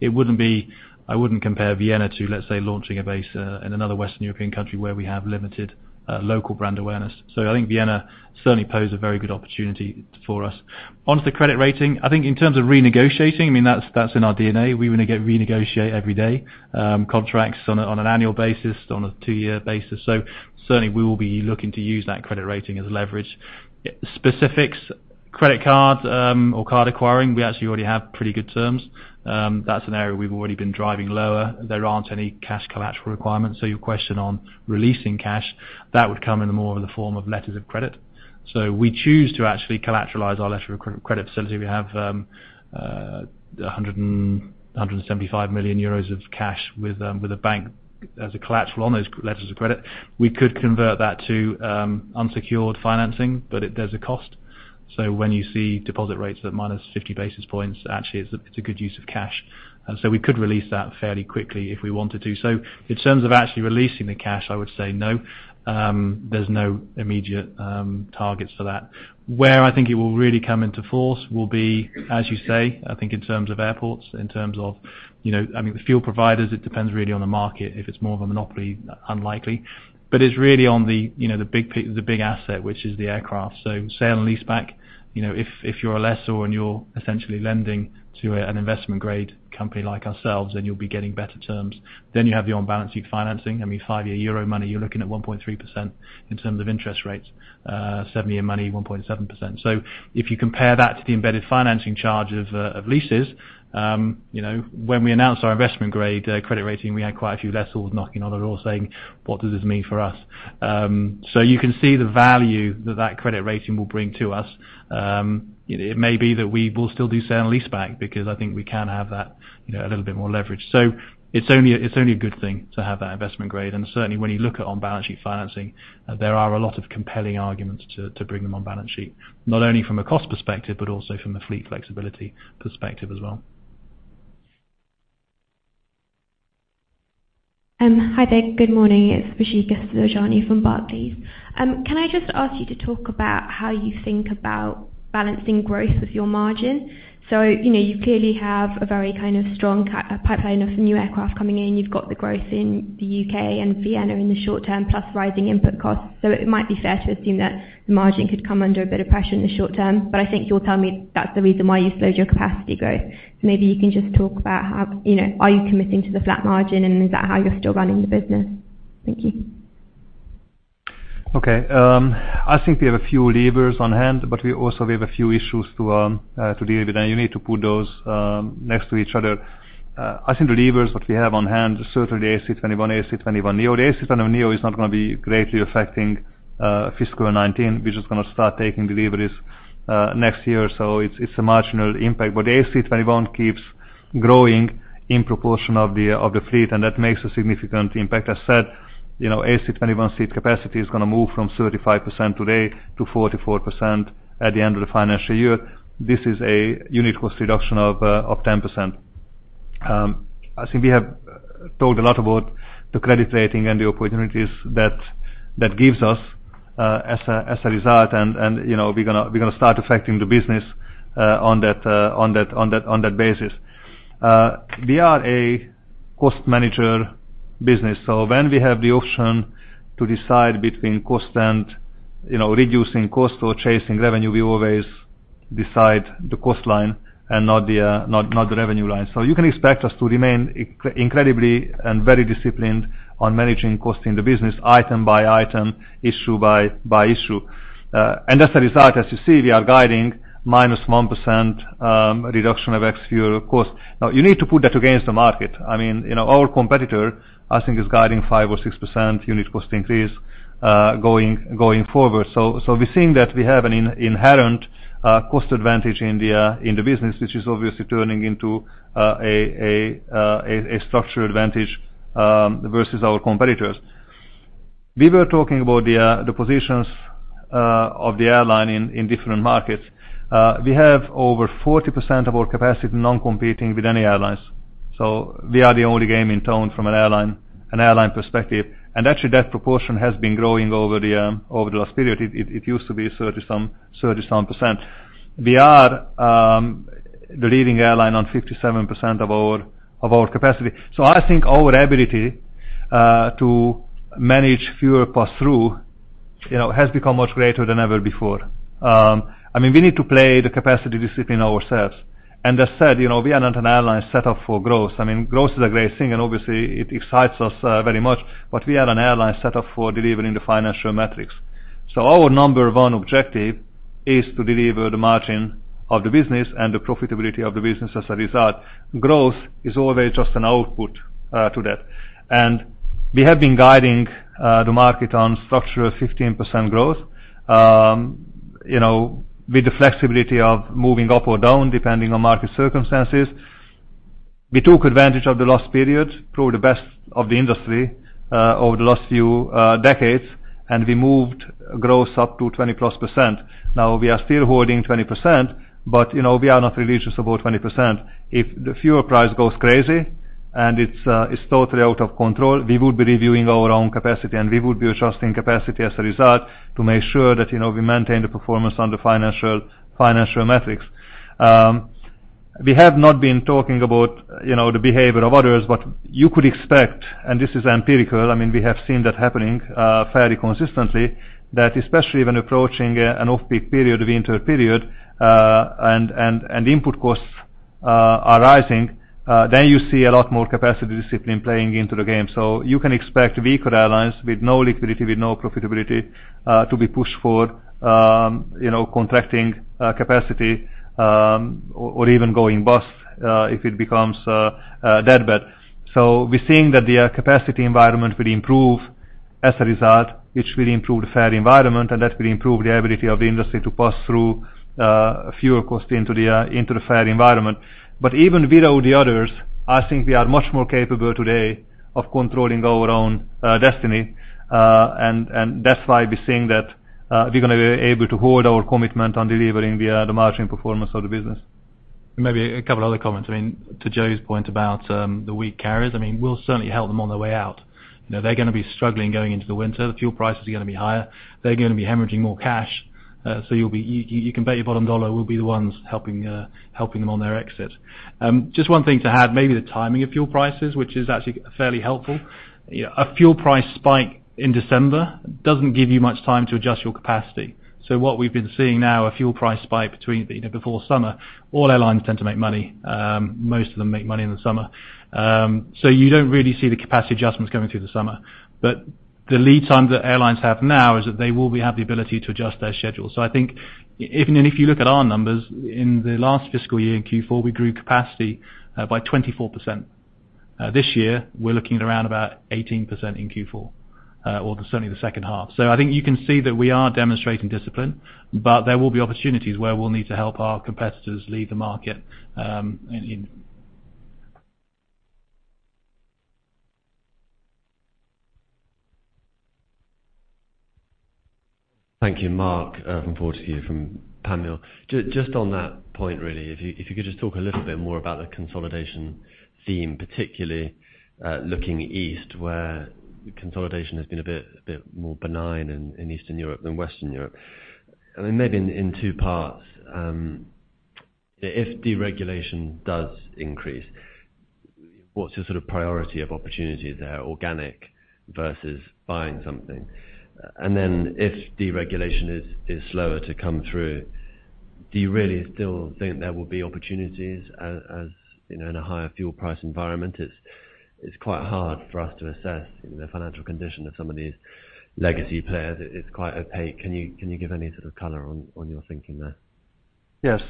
It wouldn't be I wouldn't compare Vienna to, let's say, launching a base in another Western European country where we have limited local brand awareness. I think Vienna certainly pose a very good opportunity for us. Onto the credit rating. I think in terms of renegotiating, I mean, that's in our DNA. We renegotiate every day contracts on an annual basis, on a two-year basis. Certainly we will be looking to use that credit rating as leverage. Specifics, credit cards, or card acquiring, we actually already have pretty good terms. That's an area we've already been driving lower. There aren't any cash collateral requirements. Your question on releasing cash, that would come in more in the form of letters of credit. We choose to actually collateralize our letter of credit facility. We have 175 million euros of cash with a bank as a collateral on those letters of credit. We could convert that to unsecured financing, but it does a cost. When you see deposit rates at minus 50 basis points, actually it's a good use of cash. We could release that fairly quickly if we wanted to. In terms of actually releasing the cash, I would say no. There's no immediate targets for that. Where I think it will really come into force will be, as you say, I think in terms of airports, in terms of, you know I mean, the fuel providers, it depends really on the market. If it's more of a monopoly, unlikely. It's really on the, you know, the big asset, which is the aircraft. Sale and lease back, you know, if you're a lessor and you're essentially lending to an investment grade company like ourselves, then you'll be getting better terms. You have the on-balance sheet financing. I mean, five-year EUR money, you're looking at 1.3% in terms of interest rates. seven-year EUR money, 1.7%. If you compare that to the embedded financing charge of leases, you know, when we announced our investment grade credit rating, we had quite a few lessors knocking on the door saying, "What does this mean for us?" You can see the value that that credit rating will bring to us. It may be that we will still do sale and lease back because I think we can have that, you know, a little bit more leverage. It's only a good thing to have that investment grade. Certainly when you look at on-balance sheet financing, there are a lot of compelling arguments to bring them on-balance sheet, not only from a cost perspective, but also from a fleet flexibility perspective as well. Hi there. Good morning. It's Rishika Savjani from Barclays. Can I just ask you to talk about how you think about balancing growth with your margin? You know, you clearly have a very kind of strong pipeline of new aircraft coming in. You've got the growth in the U.K. and Vienna in the short term, plus rising input costs. It might be fair to assume that the margin could come under a bit of pressure in the short term. I think you'll tell me that's the reason why you slowed your capacity growth. Maybe you can just talk about how, you know, are you committing to the flat margin, and is that how you're still running the business? Thank you. I think we have a few levers on hand, but we also have a few issues to deal with, you need to put those next to each other. I think the levers that we have on hand are certainly A321, A321neo. The A321neo is not gonna be greatly affecting fiscal 2019. We're just gonna start taking deliveries next year. It's a marginal impact. The A321 keeps growing in proportion of the fleet, and that makes a significant impact. I said, you know, A321 seat capacity is gonna move from 35% today to 44% at the end of the financial year. This is a unit cost reduction of 10%. I think we have told a lot about the credit rating and the opportunities that that gives us as a result. You know, we're gonna start affecting the business on that basis. We are a cost manager business, so when we have the option to decide between cost and, you know, reducing cost or chasing revenue, we always decide the cost line and not the revenue line. You can expect us to remain incredibly and very disciplined on managing cost in the business item by item, issue by issue. As a result, as you see, we are guiding -1% reduction of ex-fuel cost. You need to put that against the market. I mean, you know, our competitor, I think, is guiding 5% or 6% unit cost increase going forward. We're seeing that we have an inherent cost advantage in the business, which is obviously turning into a structural advantage versus our competitors. We were talking about the positions of the airline in different markets. We have over 40% of our capacity non-competing with any airlines. We are the only game in town from an airline perspective. Actually, that proportion has been growing over the last period. It used to be 30%. We are the leading airline on 57% of our capacity. I think our ability, you know, to manage fuel pass-through has become much greater than ever before. I mean, we need to play the capacity discipline ourselves. As said, you know, we are not an airline set up for growth. I mean, growth is a great thing, and obviously it excites us very much. We are an airline set up for delivering the financial metrics. Our number one objective is to deliver the margin of the business and the profitability of the business as a result. Growth is always just an output to that. We have been guiding the market on structural 15% growth, you know, with the flexibility of moving up or down, depending on market circumstances. We took advantage of the last period, probably the best of the industry, over the last few decades, and we moved growth up to 20%+. Now, we are still holding 20%, but you know, we are not religious about 20%. If the fuel price goes crazy and it's totally out of control, we will be reviewing our own capacity, and we would be adjusting capacity as a result to make sure that, you know, we maintain the performance on the financial metrics. We have not been talking about, you know, the behavior of others, but you could expect, and this is empirical, I mean, we have seen that happening, fairly consistently, that especially when approaching, an off-peak period, the winter period, and, and input costs, are rising, then you see a lot more capacity discipline playing into the game. You can expect weaker airlines with no liquidity, with no profitability, to be pushed for, you know, contracting, capacity, or even going bust, if it becomes, that bad. We're seeing that the capacity environment will improve as a result, which will improve the fare environment, and that will improve the ability of the industry to pass through, fuel cost into the, into the fare environment. Even without the others, I think we are much more capable today of controlling our own destiny. That's why we're seeing that we're gonna be able to hold our commitment on delivering the margin performance of the business. Maybe two other comments. I mean, to József's point about the weak carriers, I mean, we'll certainly help them on their way out. You know, they're gonna be struggling going into the winter. The fuel prices are gonna be higher. They're gonna be hemorrhaging more cash. You can bet your bottom dollar we'll be the ones helping them on their exit. Just one thing to add, maybe the timing of fuel prices, which is actually fairly helpful. A fuel price spike in December doesn't give you much time to adjust your capacity. What we've been seeing now, a fuel price spike between, you know, before summer, all airlines tend to make money. Most of them make money in the summer. You don't really see the capacity adjustments coming through the summer. The lead time that airlines have now is that they will have the ability to adjust their schedule. I think even if you look at our numbers, in the last fiscal year, in Q4, we grew capacity by 24%. This year, we're looking at around about 18% in Q4, or certainly the second half. I think you can see that we are demonstrating discipline, but there will be opportunities where we'll need to help our competitors leave the market in Thank you, Mark Fortescue, from Panmure Gordon. Just on that point, really, if you, if you could just talk a little bit more about the consolidation theme, particularly looking east, where consolidation has been a bit more benign in Eastern Europe than Western Europe. I mean, maybe in two parts, if deregulation does increase, what's the sort of priority of opportunity there, organic versus buying something? If deregulation is slower to come through, do you really still think there will be opportunities as, you know, in a higher fuel price environment? It's quite hard for us to assess the financial condition of some of these legacy players. It's quite opaque. Can you give any sort of color on your thinking there? Yes.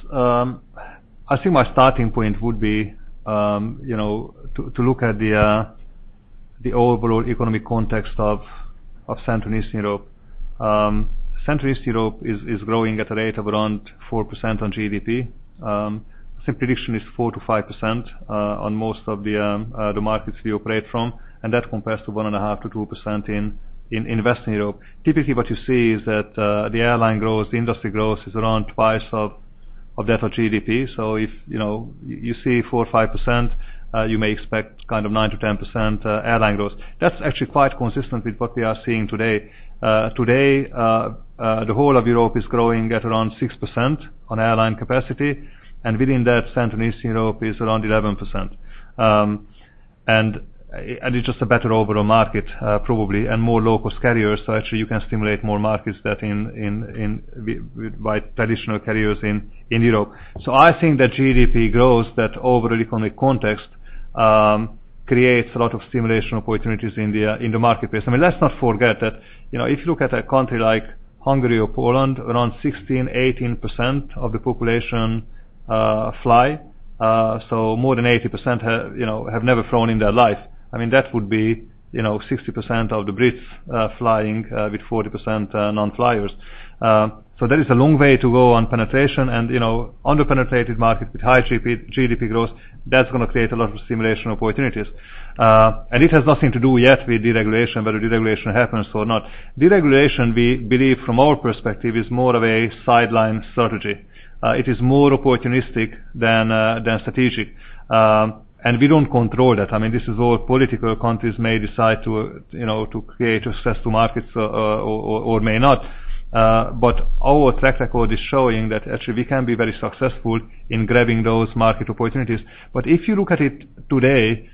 I think my starting point would be to look at the overall economic context of Central and Eastern Europe. Central and Eastern Europe is growing at a rate of around 4% on GDP. The prediction is 4%-5% on most of the markets we operate from, and that compares to 1.5%-2% in Western Europe. Typically, what you see is that the airline growth, the industry growth is around twice of that of GDP. If you see 4% or 5%, you may expect kind of 9%-10% airline growth. That's actually quite consistent with what we are seeing today. Today, the whole of Europe is growing at around 6% on airline capacity, and within that, Central and Eastern Europe is around 11%. It's just a better overall market, probably, and more low-cost carriers. Actually, you can stimulate more markets that by traditional carriers in Europe. I think that GDP growth, that overall economic context, creates a lot of stimulation opportunities in the marketplace. I mean, let's not forget that, you know, if you look at a country like Hungary or Poland, around 16%-18% of the population fly. More than 80% have, you know, never flown in their life. I mean, that would be, you know, 60% of the Brits flying with 40% non-flyers. There is a long way to go on penetration and, you know, under-penetrated markets with high GDP growth, that's going to create a lot of stimulation opportunities. It has nothing to do yet with deregulation, whether deregulation happens or not. Deregulation, we believe from our perspective, is more of a sideline strategy. It is more opportunistic than strategic. We don't control that. I mean, this is all political. Countries may decide to, you know, to create access to markets, or may not. Our track record is showing that actually we can be very successful in grabbing those market opportunities. If you look at it today,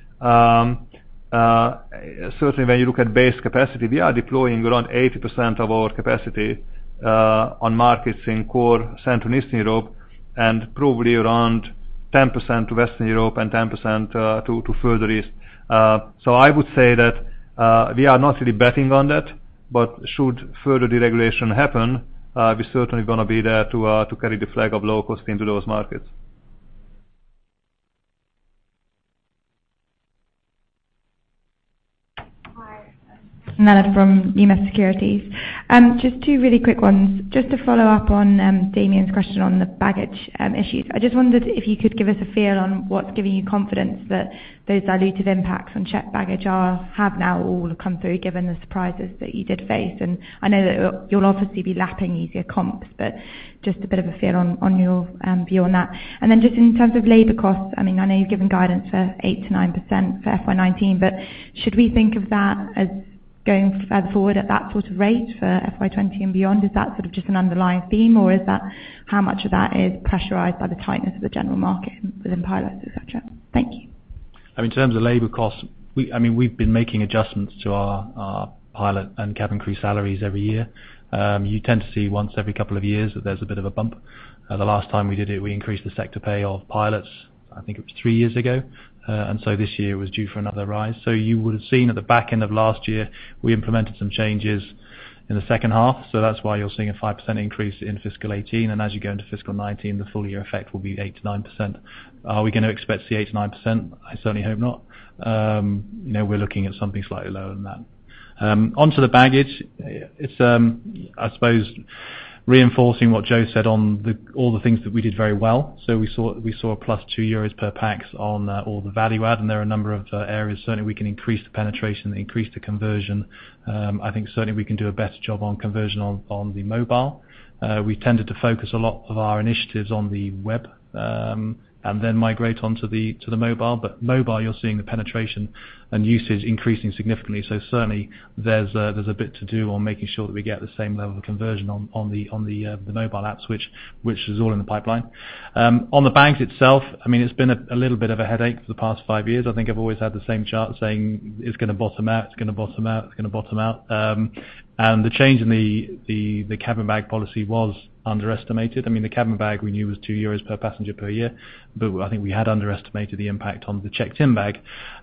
certainly when you look at base capacity, we are deploying around 80% of our capacity on markets in core Central and Eastern Europe and probably around 10% to Western Europe and 10% to further east. I would say that we are not really betting on that, but should further deregulation happen, we're certainly gonna be there to carry the flag of low cost into those markets. Nelly from EMS Securities. Just two really quick ones. Just to follow up on Damian's question on the baggage issues. I just wondered if you could give us a feel on what's giving you confidence that those dilutive impacts on checked baggage have now all come through, given the surprises that you did face. I know that you'll obviously be lapping easier comps, but just a bit of a feel on your view on that. Then just in terms of labor costs, I mean, I know you've given guidance for 8%-9% for FY 2019, but should we think of that as going forward at that sort of rate for FY 2020 and beyond? Is that sort of just an underlying theme, or is that how much of that is pressurized by the tightness of the general market within pilots, et cetera? Thank you. In terms of labor costs, I mean, we've been making adjustments to our pilot and cabin crew salaries every year. You tend to see once every couple of years that there's a bit of a bump. The last time we did it, we increased the sector pay of pilots, I think it was three-years ago. This year it was due for another rise. You would have seen at the back end of last year, we implemented some changes in the second half. That's why you're seeing a 5% increase in fiscal 2018. As you go into fiscal 2019, the full year effect will be 8%-9%. Are we gonna expect to see 8%-9%? I certainly hope not. You know, we're looking at something slightly lower than that. Onto the baggage. It's, I suppose reinforcing what József said on all the things that we did very well. We saw a plus 2 euros per pax on all the value add, and there are a number of areas certainly we can increase the penetration, increase the conversion. I think certainly we can do a better job on conversion on the mobile. We tended to focus a lot of our initiatives on the web, and then migrate on to the mobile. Mobile, you're seeing the penetration and usage increasing significantly. Certainly there's a bit to do on making sure that we get the same level of conversion on the mobile apps, which is all in the pipeline. On the bags itself, I mean, it's been a little bit of a headache for the past five years. I think I've always had the same chart saying it's gonna bottom out, it's gonna bottom out, it's gonna bottom out. The change in the cabin bag policy was underestimated. The cabin bag we knew was 2 euros per passenger per year, but I think we had underestimated the impact on the checked-in bag.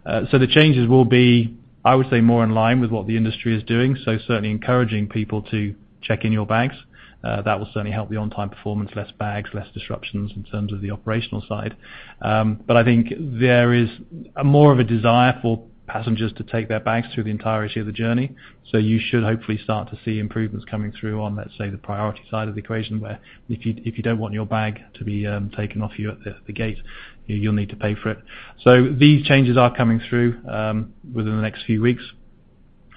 The changes will be, I would say, more in line with what the industry is doing. Certainly encouraging people to check in your bags. That will certainly help the on time performance, less bags, less disruptions in terms of the operational side. I think there is more of a desire for passengers to take their bags through the entirety of the journey. You should hopefully start to see improvements coming through on, let's say, the priority side of the equation, where if you, if you don't want your bag to be taken off you at the gate, you'll need to pay for it. These changes are coming through within the next few weeks,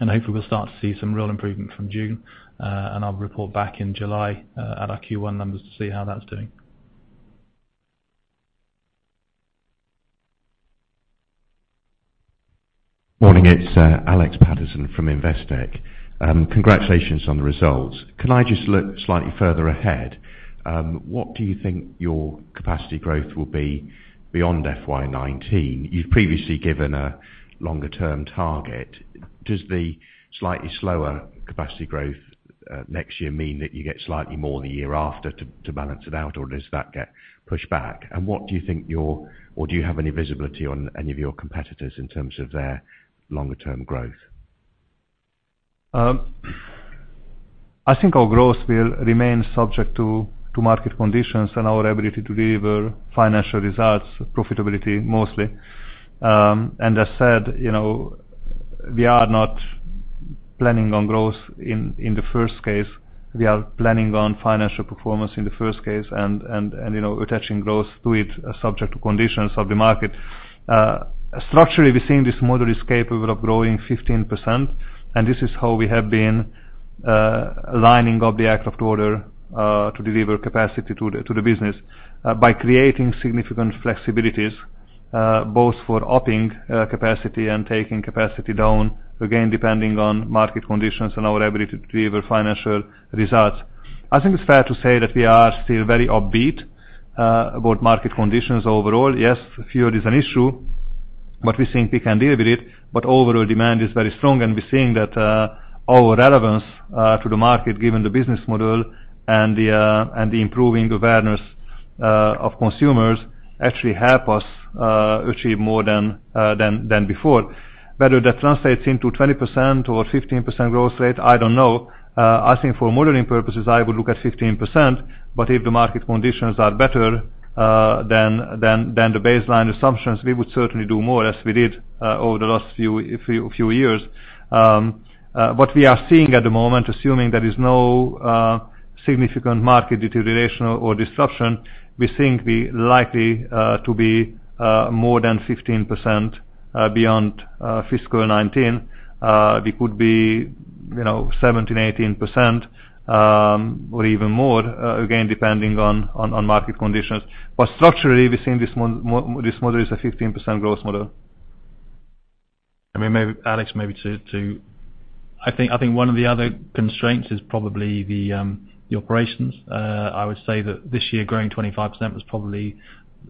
and hopefully we'll start to see some real improvement from June. And I'll report back in July at our Q1 numbers to see how that's doing. Morning, it's Alex Paterson from Investec. Congratulations on the results. Can I just look slightly further ahead? What do you think your capacity growth will be beyond FY 2019? You've previously given a longer-term target. Does the slightly slower capacity growth next year mean that you get slightly more the year after to balance it out, or does that get pushed back? Do you have any visibility on any of your competitors in terms of their longer-term growth? I think our growth will remain subject to market conditions and our ability to deliver financial results, profitability mostly. As said, you know, we are not planning on growth in the first case. We are planning on financial performance in the first case, you know, attaching growth to it subject to conditions of the market. Structurally, we're seeing this model is capable of growing 15%, this is how we have been lining up the aircraft order to deliver capacity to the business by creating significant flexibilities both for upping capacity and taking capacity down, again, depending on market conditions and our ability to deliver financial results. I think it's fair to say that we are still very upbeat about market conditions overall. Yes, fuel is an issue, but we think we can deal with it. Overall demand is very strong, and we're seeing that our relevance to the market, given the business model and the improving awareness of consumers, actually help us achieve more than before. Whether that translates into 20% or 15% growth rate, I don't know. I think for modeling purposes, I would look at 15%, but if the market conditions are better than the baseline assumptions, we would certainly do more as we did over the last few years. What we are seeing at the moment, assuming there is no significant market deterioration or disruption, we think we likely to be more than 15% beyond fiscal 2019. We could be, you know, 17%, 18%, or even more, again, depending on market conditions. Structurally, we're seeing this model is a 15% growth model. I mean, maybe Alex, maybe to I think, one of the other constraints is probably the operations. I would say that this year, growing 25% was probably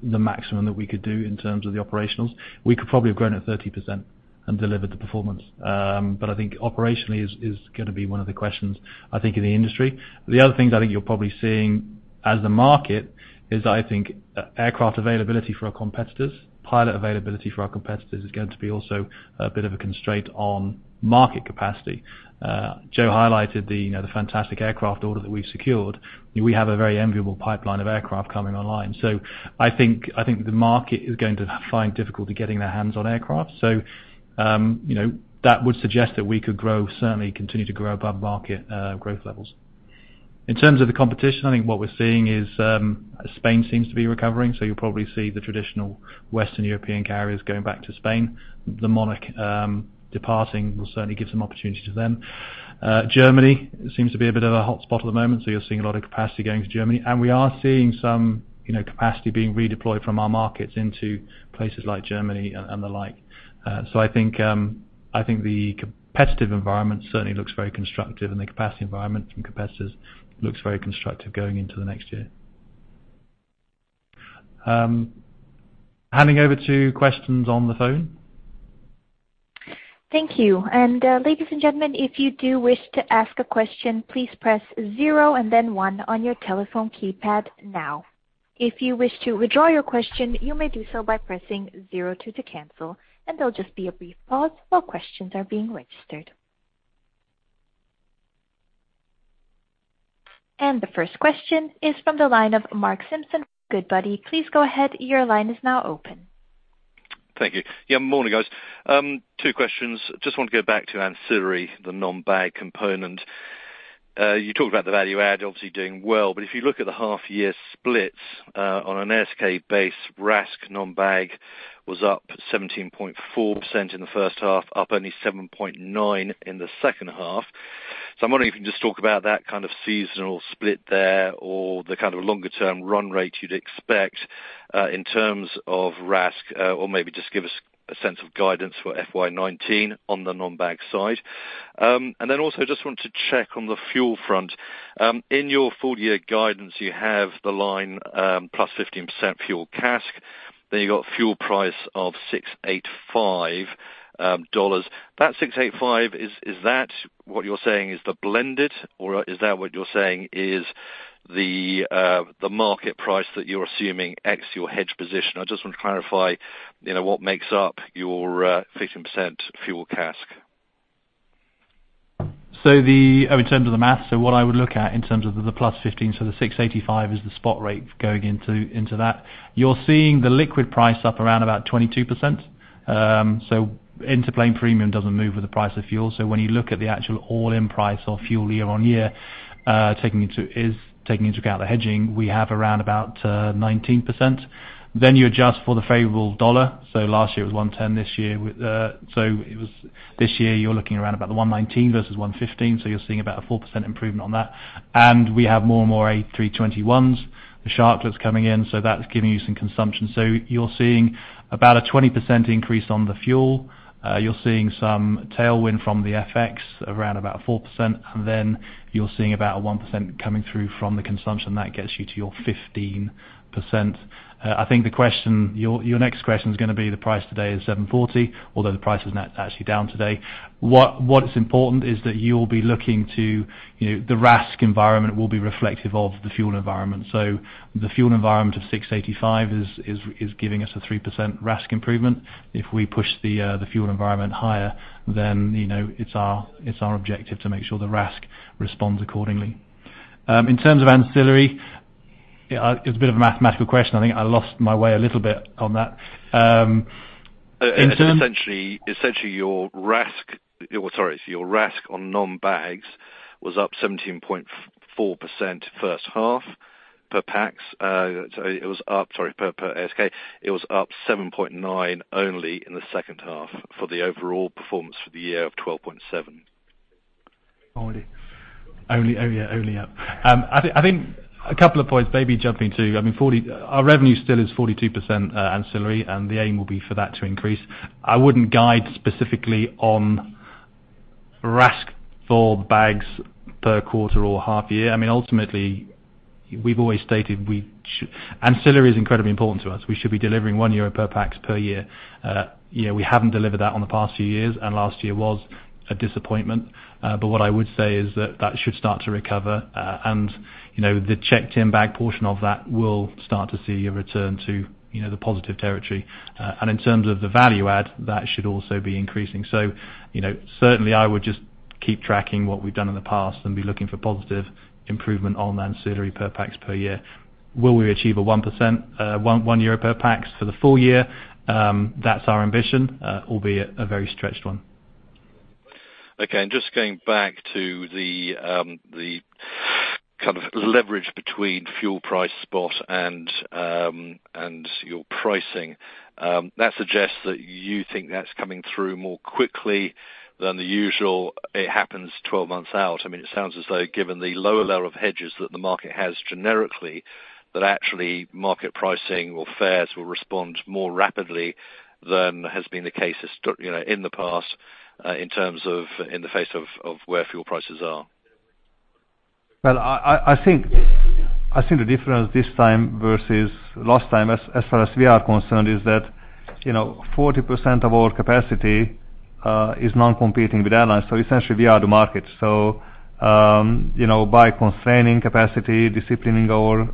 the maximum that we could do in terms of the operational. We could probably have grown at 30% and delivered the performance. I think operationally is gonna be one of the questions I think in the industry. The other things I think you're probably seeing as a market is I think, aircraft availability for our competitors, pilot availability for our competitors is going to be also a bit of a constraint on market capacity. József highlighted the, you know, the fantastic aircraft order that we secured. We have a very enviable pipeline of aircraft coming online. I think the market is going to find difficulty getting their hands on aircraft. You know, that would suggest that we could grow, certainly continue to grow above market growth levels. In terms of the competition, I think what we're seeing is, Spain seems to be recovering, so you'll probably see the traditional Western European carriers going back to Spain. The Monarch departing will certainly give some opportunity to them. Germany seems to be a bit of a hot spot at the moment, so you're seeing a lot of capacity going to Germany. We are seeing some, you know, capacity being redeployed from our markets into places like Germany and the like. I think the competitive environment certainly looks very constructive and the capacity environment from competitors looks very constructive going into the next year. Handing over to questions on the phone. Thank you. Ladies and gentlemen, if you do wish to ask a question, please press zero and then one on your telephone keypad now. If you wish to withdraw your question, you may do so by pressing zero two to cancel. There'll just be a brief pause while questions are being registered. The first question is from the line of Mark Simpson, Goodbody. Please go ahead. Your line is now open. Thank you. Yeah, morning, guys. Two questions. Just want to go back to ancillary, the non-bag component. You talked about the value add obviously doing well, but if you look at the half year splits, on an ASK base RASK non-bag was up 17.4% in the first half, up only 7.9% in the second half. I'm wondering if you can just talk about that kind of seasonal split there or the kind of longer-term run rate you'd expect in terms of RASK, or maybe just give us a sense of guidance for FY 2019 on the non-bag side. Just want to check on the fuel front. In your full year guidance, you have the line, +15% fuel CASK. You've got fuel price of $685. That $685 is that what you're saying is the blended or is that what you're saying is the market price that you're assuming ex your hedge position? I just want to clarify, you know, what makes up your 15% fuel CASK. In terms of the math. What I would look at in terms of the +15%, the $685 is the spot rate going into that. You're seeing the liquid price up around about 22%. into-plane premium doesn't move with the price of fuel. When you look at the actual all-in price of fuel year on year, taking into account the hedging, we have around about 19%. You adjust for the favorable dollar. Last year it was 110. This year you're looking around about the 119 versus 115, you're seeing about a 4% improvement on that. We have more and more A321s, the Sharklets coming in, that's giving you some consumption. You're seeing about a 20% increase on the fuel. You're seeing some tailwind from the FX around about 4%. You're seeing about a 1% coming through from the consumption. That gets you to your 15%. I think the question, your next question is gonna be the price today is $740, although the price is not actually down today. What is important is that you'll be looking to, you know, the RASK environment will be reflective of the fuel environment. The fuel environment of $685 is giving us a 3% RASK improvement. If we push the fuel environment higher, you know, it's our objective to make sure the RASK responds accordingly. In terms of ancillary, it's a bit of a mathematical question. I think I lost my way a little bit on that. Essentially, your RASK on non-bags was up 17.4% first half per pax. It was up, sorry, per ASK. It was up 7.9 only in the second half for the overall performance for the year of 12.7. Only. yeah, only up. I think a couple of points maybe jumping to. I mean, our revenue still is 42% ancillary, and the aim will be for that to increase. I wouldn't guide specifically on RASK for bags per quarter or half year. I mean, ultimately, we've always stated Ancillary is incredibly important to us. We should be delivering 1 euro per pax per year. You know, we haven't delivered that on the past few years, and last year was a disappointment. What I would say is that that should start to recover. You know, the checked-in bag portion of that will start to see a return to, you know, the positive territory. In terms of the value add, that should also be increasing. You know, certainly I would just keep tracking what we've done in the past and be looking for positive improvement on ancillary per pax per year. Will we achieve 1 per pax for the full year? That's our ambition, albeit a very stretched one. Okay. Just going back to the kind of leverage between fuel price spot and your pricing. That suggests that you think that's coming through more quickly than the usual it happens 12 months out. I mean, it sounds as though given the lower level of hedges that the market has generically, that actually market pricing or fares will respond more rapidly than has been the case, you know, in the past, in terms of, in the face of where fuel prices are. Well, I think the difference this time versus last time as far as we are concerned is that, you know, 40% of our capacity is non-competing with airlines. Essentially we are the market. By constraining capacity, disciplining our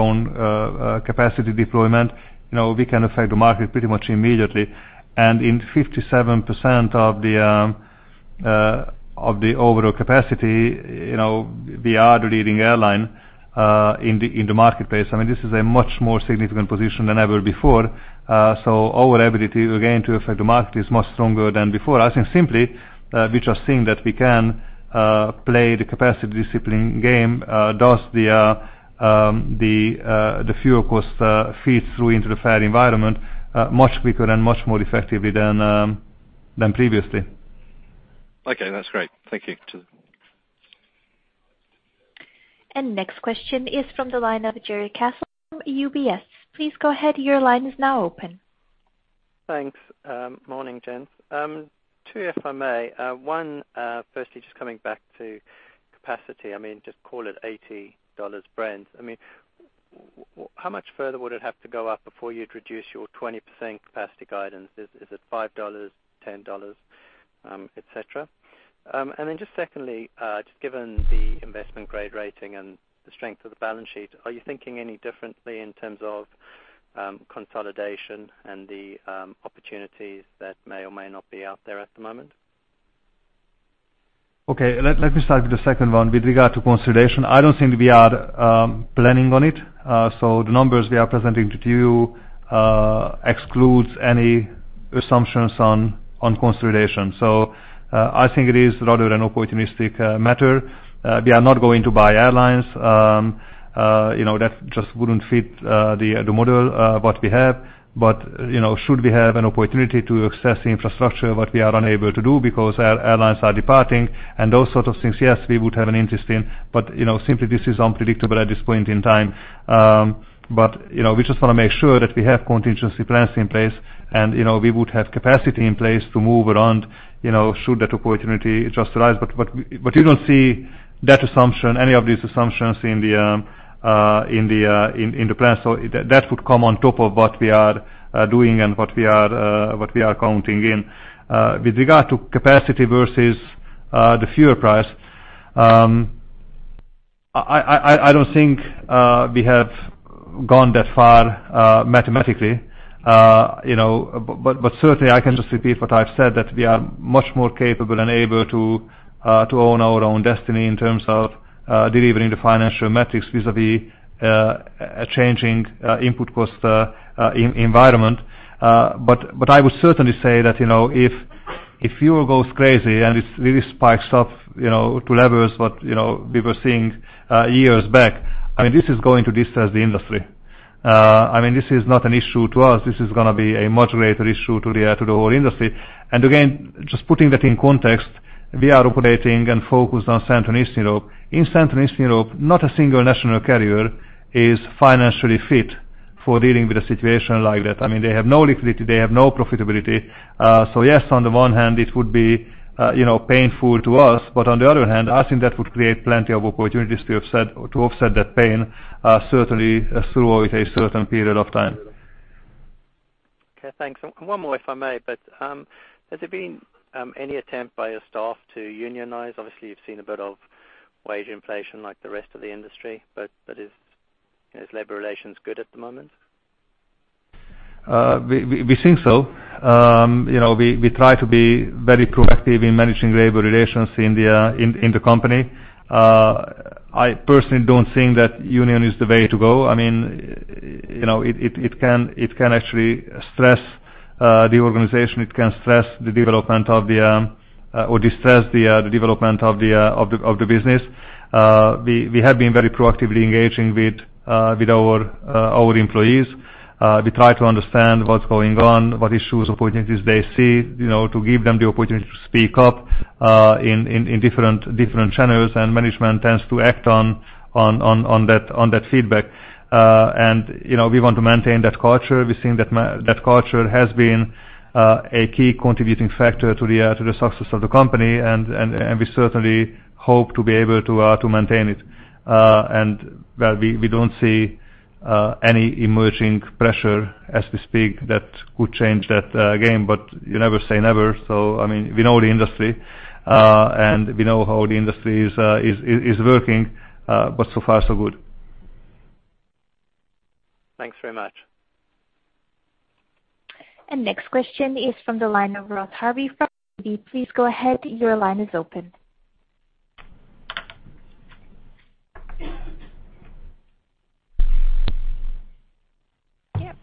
own capacity deployment, you know, we can affect the market pretty much immediately. In 57% of the overall capacity, you know, we are the leading airline in the marketplace. I mean, this is a much more significant position than ever before. Our ability, again, to affect the market is much stronger than before. I think simply, we are seeing that we can play the capacity discipline game, thus the fuel cost feeds through into the fare environment much quicker and much more effectively than previously. Okay, that's great. Thank you. Next question is from the line of Jarrod Castle from UBS. Thanks, Morning gents, two if I may. Firstly, just coming back to capacity. I mean, just call it $80 Brent. I mean, how much further would it have to go up before you'd reduce your 20% capacity guidance? Is it $5, $10, et cetera? Then just secondly, just given the investment grade rating and the strength of the balance sheet, are you thinking any differently in terms of consolidation and the opportunities that may or may not be out there at the moment? Okay. Let me start with the second one. With regard to consolidation, I don't think we are planning on it. The numbers we are presenting to you excludes any assumptions on consolidation. I think it is rather an opportunistic matter. We are not going to buy airlines. You know, that just wouldn't fit the model what we have. You know, should we have an opportunity to access the infrastructure, what we are unable to do because our airlines are departing and those sort of things, yes, we would have an interest in. You know, simply this is unpredictable at this point in time. You know, we just wanna make sure that we have contingency plans in place and, you know, we would have capacity in place to move around, you know, should that opportunity just arise. You don't see that assumption, any of these assumptions in the plan. That would come on top of what we are doing and what we are counting in. With regard to capacity versus the fuel price, I don't think we have gone that far mathematically. You know, but certainly I can just repeat what I've said, that we are much more capable and able to own our own destiny in terms of delivering the financial metrics vis-à-vis a changing input cost environment. But I would certainly say that, you know, if fuel goes crazy and it really spikes up, you know, to levels what we were seeing years back, I mean, this is going to distress the industry. I mean, this is not an issue to us. This is going to be a much greater issue to the whole industry. Again, just putting that in context, we are operating and focused on Central and Eastern Europe. In Central and Eastern Europe, not a single national carrier is financially fit for dealing with a situation like that. I mean, they have no liquidity, they have no profitability. Yes, on the one hand, it would be, you know, painful to us. On the other hand, I think that would create plenty of opportunities to offset that pain, certainly through a certain period of time. Okay, thanks. One more if I may, but has there been any attempt by your staff to unionize? Obviously, you've seen a bit of wage inflation like the rest of the industry, but is labor relations good at the moment? We think so. You know, we try to be very proactive in managing labor relations in the company. I personally don't think that union is the way to go. I mean, you know, it can actually stress the organization. It can stress the development or distress the development of the business. We have been very proactively engaging with our employees. We try to understand what's going on, what issues, opportunities they see, you know, to give them the opportunity to speak up in different channels, and management tends to act on that feedback. You know, we want to maintain that culture. We think that culture has been a key contributing factor to the success of the company, and we certainly hope to be able to maintain it. Well, we don't see any emerging pressure as we speak that could change that game, but you never say never. I mean, we know the industry, and we know how the industry is working. So far so good. Thanks very much. Next question is from the line of Ross Harvey from Davy. Please go ahead, your line is open.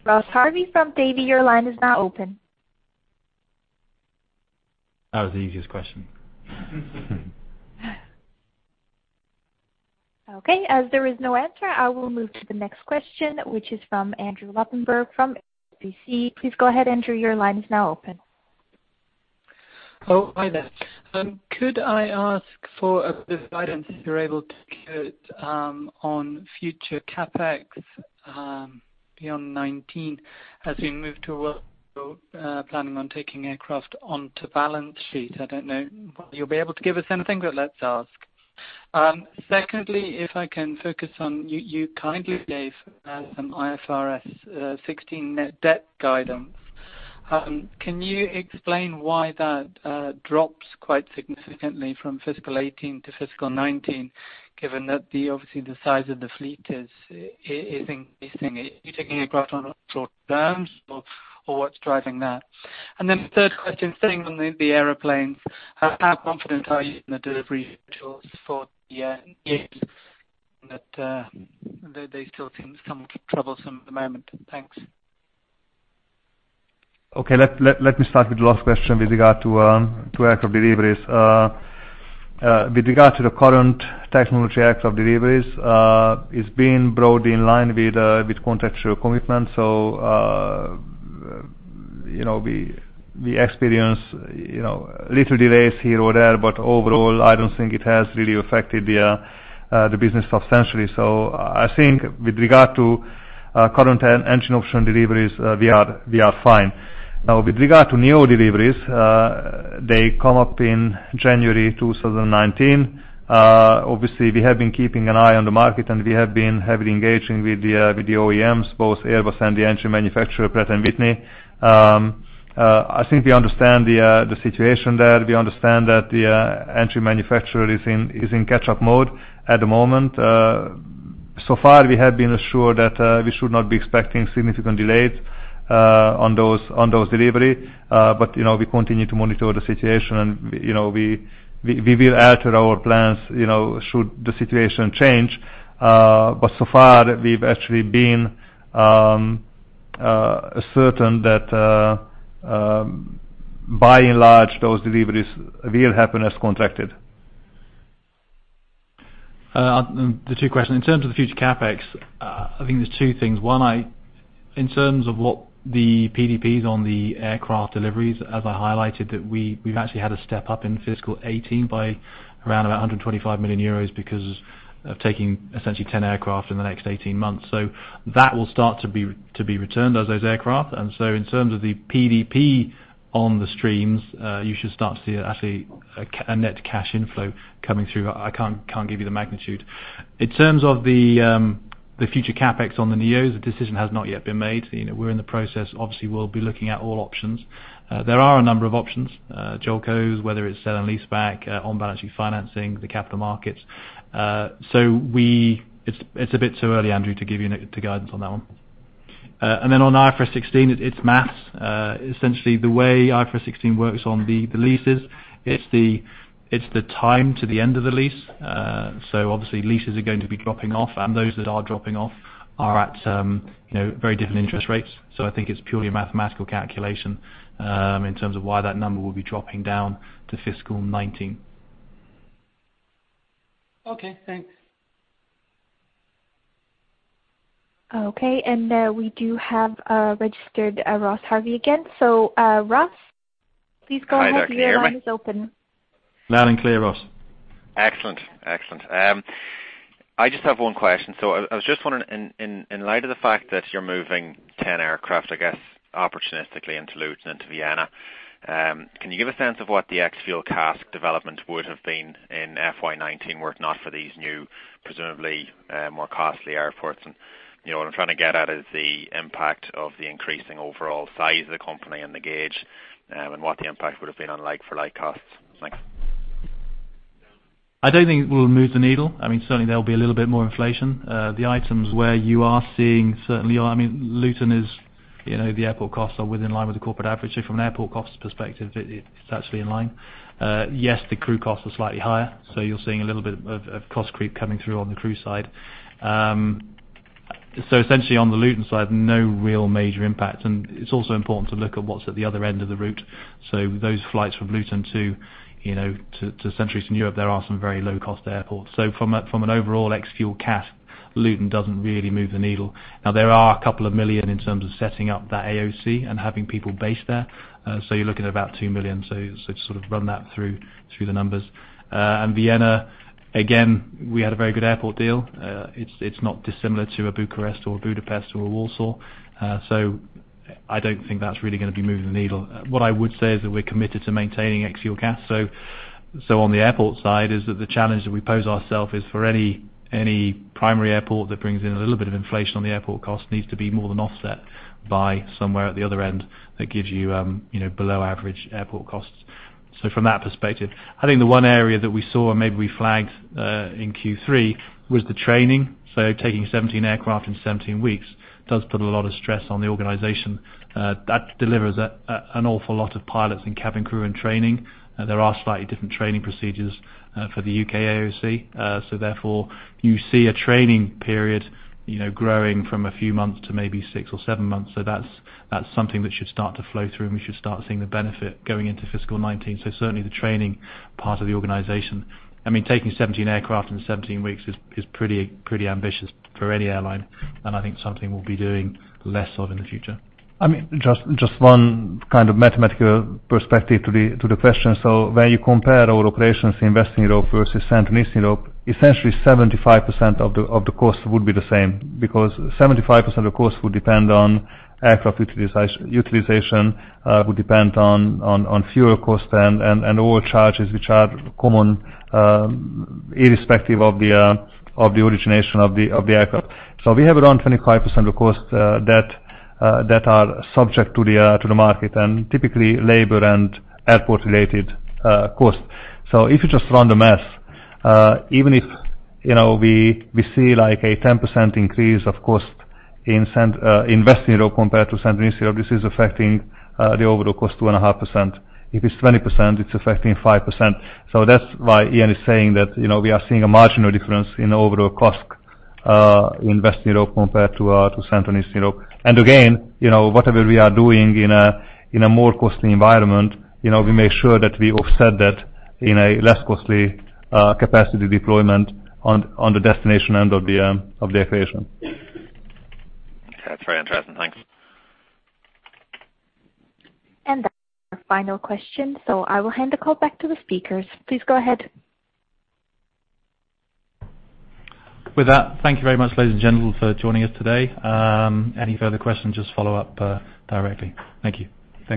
Ross Harvey from Davy, your line is now open. That was the easiest question. Okay. As there is no answer, I will move to the next question, which is from Andrew Lobbenberg from HSBC. Please go ahead, Andrew. Hi there. Could I ask for a bit of guidance if you're able to give on future CapEx beyond 2019 as we move to planning on taking aircraft onto balance sheet? I don't know whether you'll be able to give us anything. Let's ask. Secondly, if I can focus on you kindly gave some IFRS 16 net debt guidance. Can you explain why that drops quite significantly from fiscal 2018 to fiscal 2019, given that the obviously the size of the fleet is increasing. Are you taking aircraft on short terms or what's driving that? Third question, staying on the airplanes. How confident are you in the delivery schedules for the year? They still seem somewhat troublesome at the moment. Thanks. Let me start with the last question with regard to aircraft deliveries. With regard to the current technology aircraft deliveries, it's been brought in line with contractual commitment. You know, we experience, you know, little delays here or there, but overall, I don't think it has really affected the business substantially. I think with regard to current engine option deliveries, we are fine. With regard to NEO deliveries, they come up in January 2019. Obviously we have been keeping an eye on the market, and we have been heavily engaging with the OEMs, both Airbus and the engine manufacturer, Pratt & Whitney. I think we understand the situation there. We understand that the engine manufacturer is in catch-up mode at the moment. So far, we have been assured that we should not be expecting significant delays on those delivery. You know, we continue to monitor the situation and, you know, we will alter our plans, you know, should the situation change. So far we've actually been certain that by and large, those deliveries will happen as contracted. The two questions. In terms of the future CapEx, I think there's two things. One, in terms of what the PDPs on the aircraft deliveries, as I highlighted, that we've actually had a step-up in fiscal 2018 by around 125 million euros because of taking essentially 10 aircraft in the next 18 months. That will start to be returned as those aircraft. In terms of the PDP on the streams, you should start to see actually a net cash inflow coming through. I can't give you the magnitude. In terms of the future CapEx on the NEOs, the decision has not yet been made. You know, we're in the process. Obviously, we'll be looking at all options. There are a number of options, JOLCO, whether it's sell and lease back, on-balancing financing, the capital markets. It's a bit too early, Andrew, to give you the guidance on that one. On IFRS 16, it's math. Essentially, the way IFRS 16 works on the leases, it's the time to the end of the lease. Obviously leases are going to be dropping off, and those that are dropping off are at, you know, very different interest rates. I think it's purely a mathematical calculation, in terms of why that number will be dropping down to fiscal 2019. Okay, thanks. Okay. We do have registered Ross Harvey again. Ross, please go ahead. Your line is open. Hi there. Can you hear me? Loud and clear, Ross. Excellent. Excellent. I just have one question. I was just wondering, in light of the fact that you're moving 10 aircraft, I guess opportunistically into Luton, into Vienna, can you give a sense of what the ex-fuel CASK development would have been in FY 2019 were it not for these new, presumably, more costly airports? You know, what I'm trying to get at is the impact of the increasing overall size of the company and the gauge, and what the impact would have been on like for like costs. Thanks. I don't think it will move the needle. I mean, certainly there'll be a little bit more inflation. The items where you are seeing certainly are, I mean, Luton is, you know, the airport costs are within line with the corporate average. From an airport cost perspective, it's actually in line. Yes, the crew costs are slightly higher, you're seeing a little bit of cost creep coming through on the crew side. Essentially on the Luton side, no real major impact. It's also important to look at what's at the other end of the route. Those flights from Luton to, you know, Central Eastern Europe, there are some very low-cost airports. From an overall ex-fuel CASK, Luton doesn't really move the needle. There are a couple of million in terms of setting up that AOC and having people based there. You're looking at about 2 million. To sort of run that through the numbers. Vienna, again, we had a very good airport deal. It's not dissimilar to a Bucharest or a Budapest or a Warsaw. I don't think that's really gonna be moving the needle. What I would say is that we're committed to maintaining ex-fuel CASK. On the airport side is that the challenge that we pose ourself is for any primary airport that brings in a little bit of inflation on the airport cost needs to be more than offset by somewhere at the other end that gives you know, below average airport costs. From that perspective, I think the one area that we saw, and maybe we flagged in Q3, was the training. Taking 17 aircraft in 17 weeks does put a lot of stress on the organization. That delivers an awful lot of pilots and cabin crew in training. There are slightly different training procedures for the U.K. AOC. Therefore, you see a training period, you know, growing from a few months to maybe six or seven-months. That's something that should start to flow through, and we should start seeing the benefit going into fiscal 2019. Certainly the training part of the organization. I mean, taking 17 aircraft in 17 weeks is pretty ambitious for any airline, and I think something we'll be doing less of in the future. I mean, just one kind of mathematical perspective to the question. When you compare our operations in Western Europe versus Central Eastern Europe, essentially 75% of the cost would be the same because 75% of cost would depend on aircraft utilization, would depend on fuel cost and all charges which are common, irrespective of the origination of the aircraft. We have around 25% of cost that are subject to the market and typically labor and airport-related costs. If you just run the math, even if, you know, we see like a 10% increase of cost in Western Europe compared to Central Eastern Europe, this is affecting the overall cost 2.5%. If it's 20%, it's affecting 5%. That's why Iain is saying that, you know, we are seeing a marginal difference in overall CASK, in Western Europe compared to Central Eastern Europe. Again, you know, whatever we are doing in a, in a more costly environment, you know, we make sure that we offset that in a less costly, capacity deployment on the destination end of the operation. That's very interesting. Thanks. That's our final question, so I will hand the call back to the speakers. Please go ahead. With that, thank you very much, ladies and gentlemen, for joining us today. Any further questions, just follow up directly. Thank you.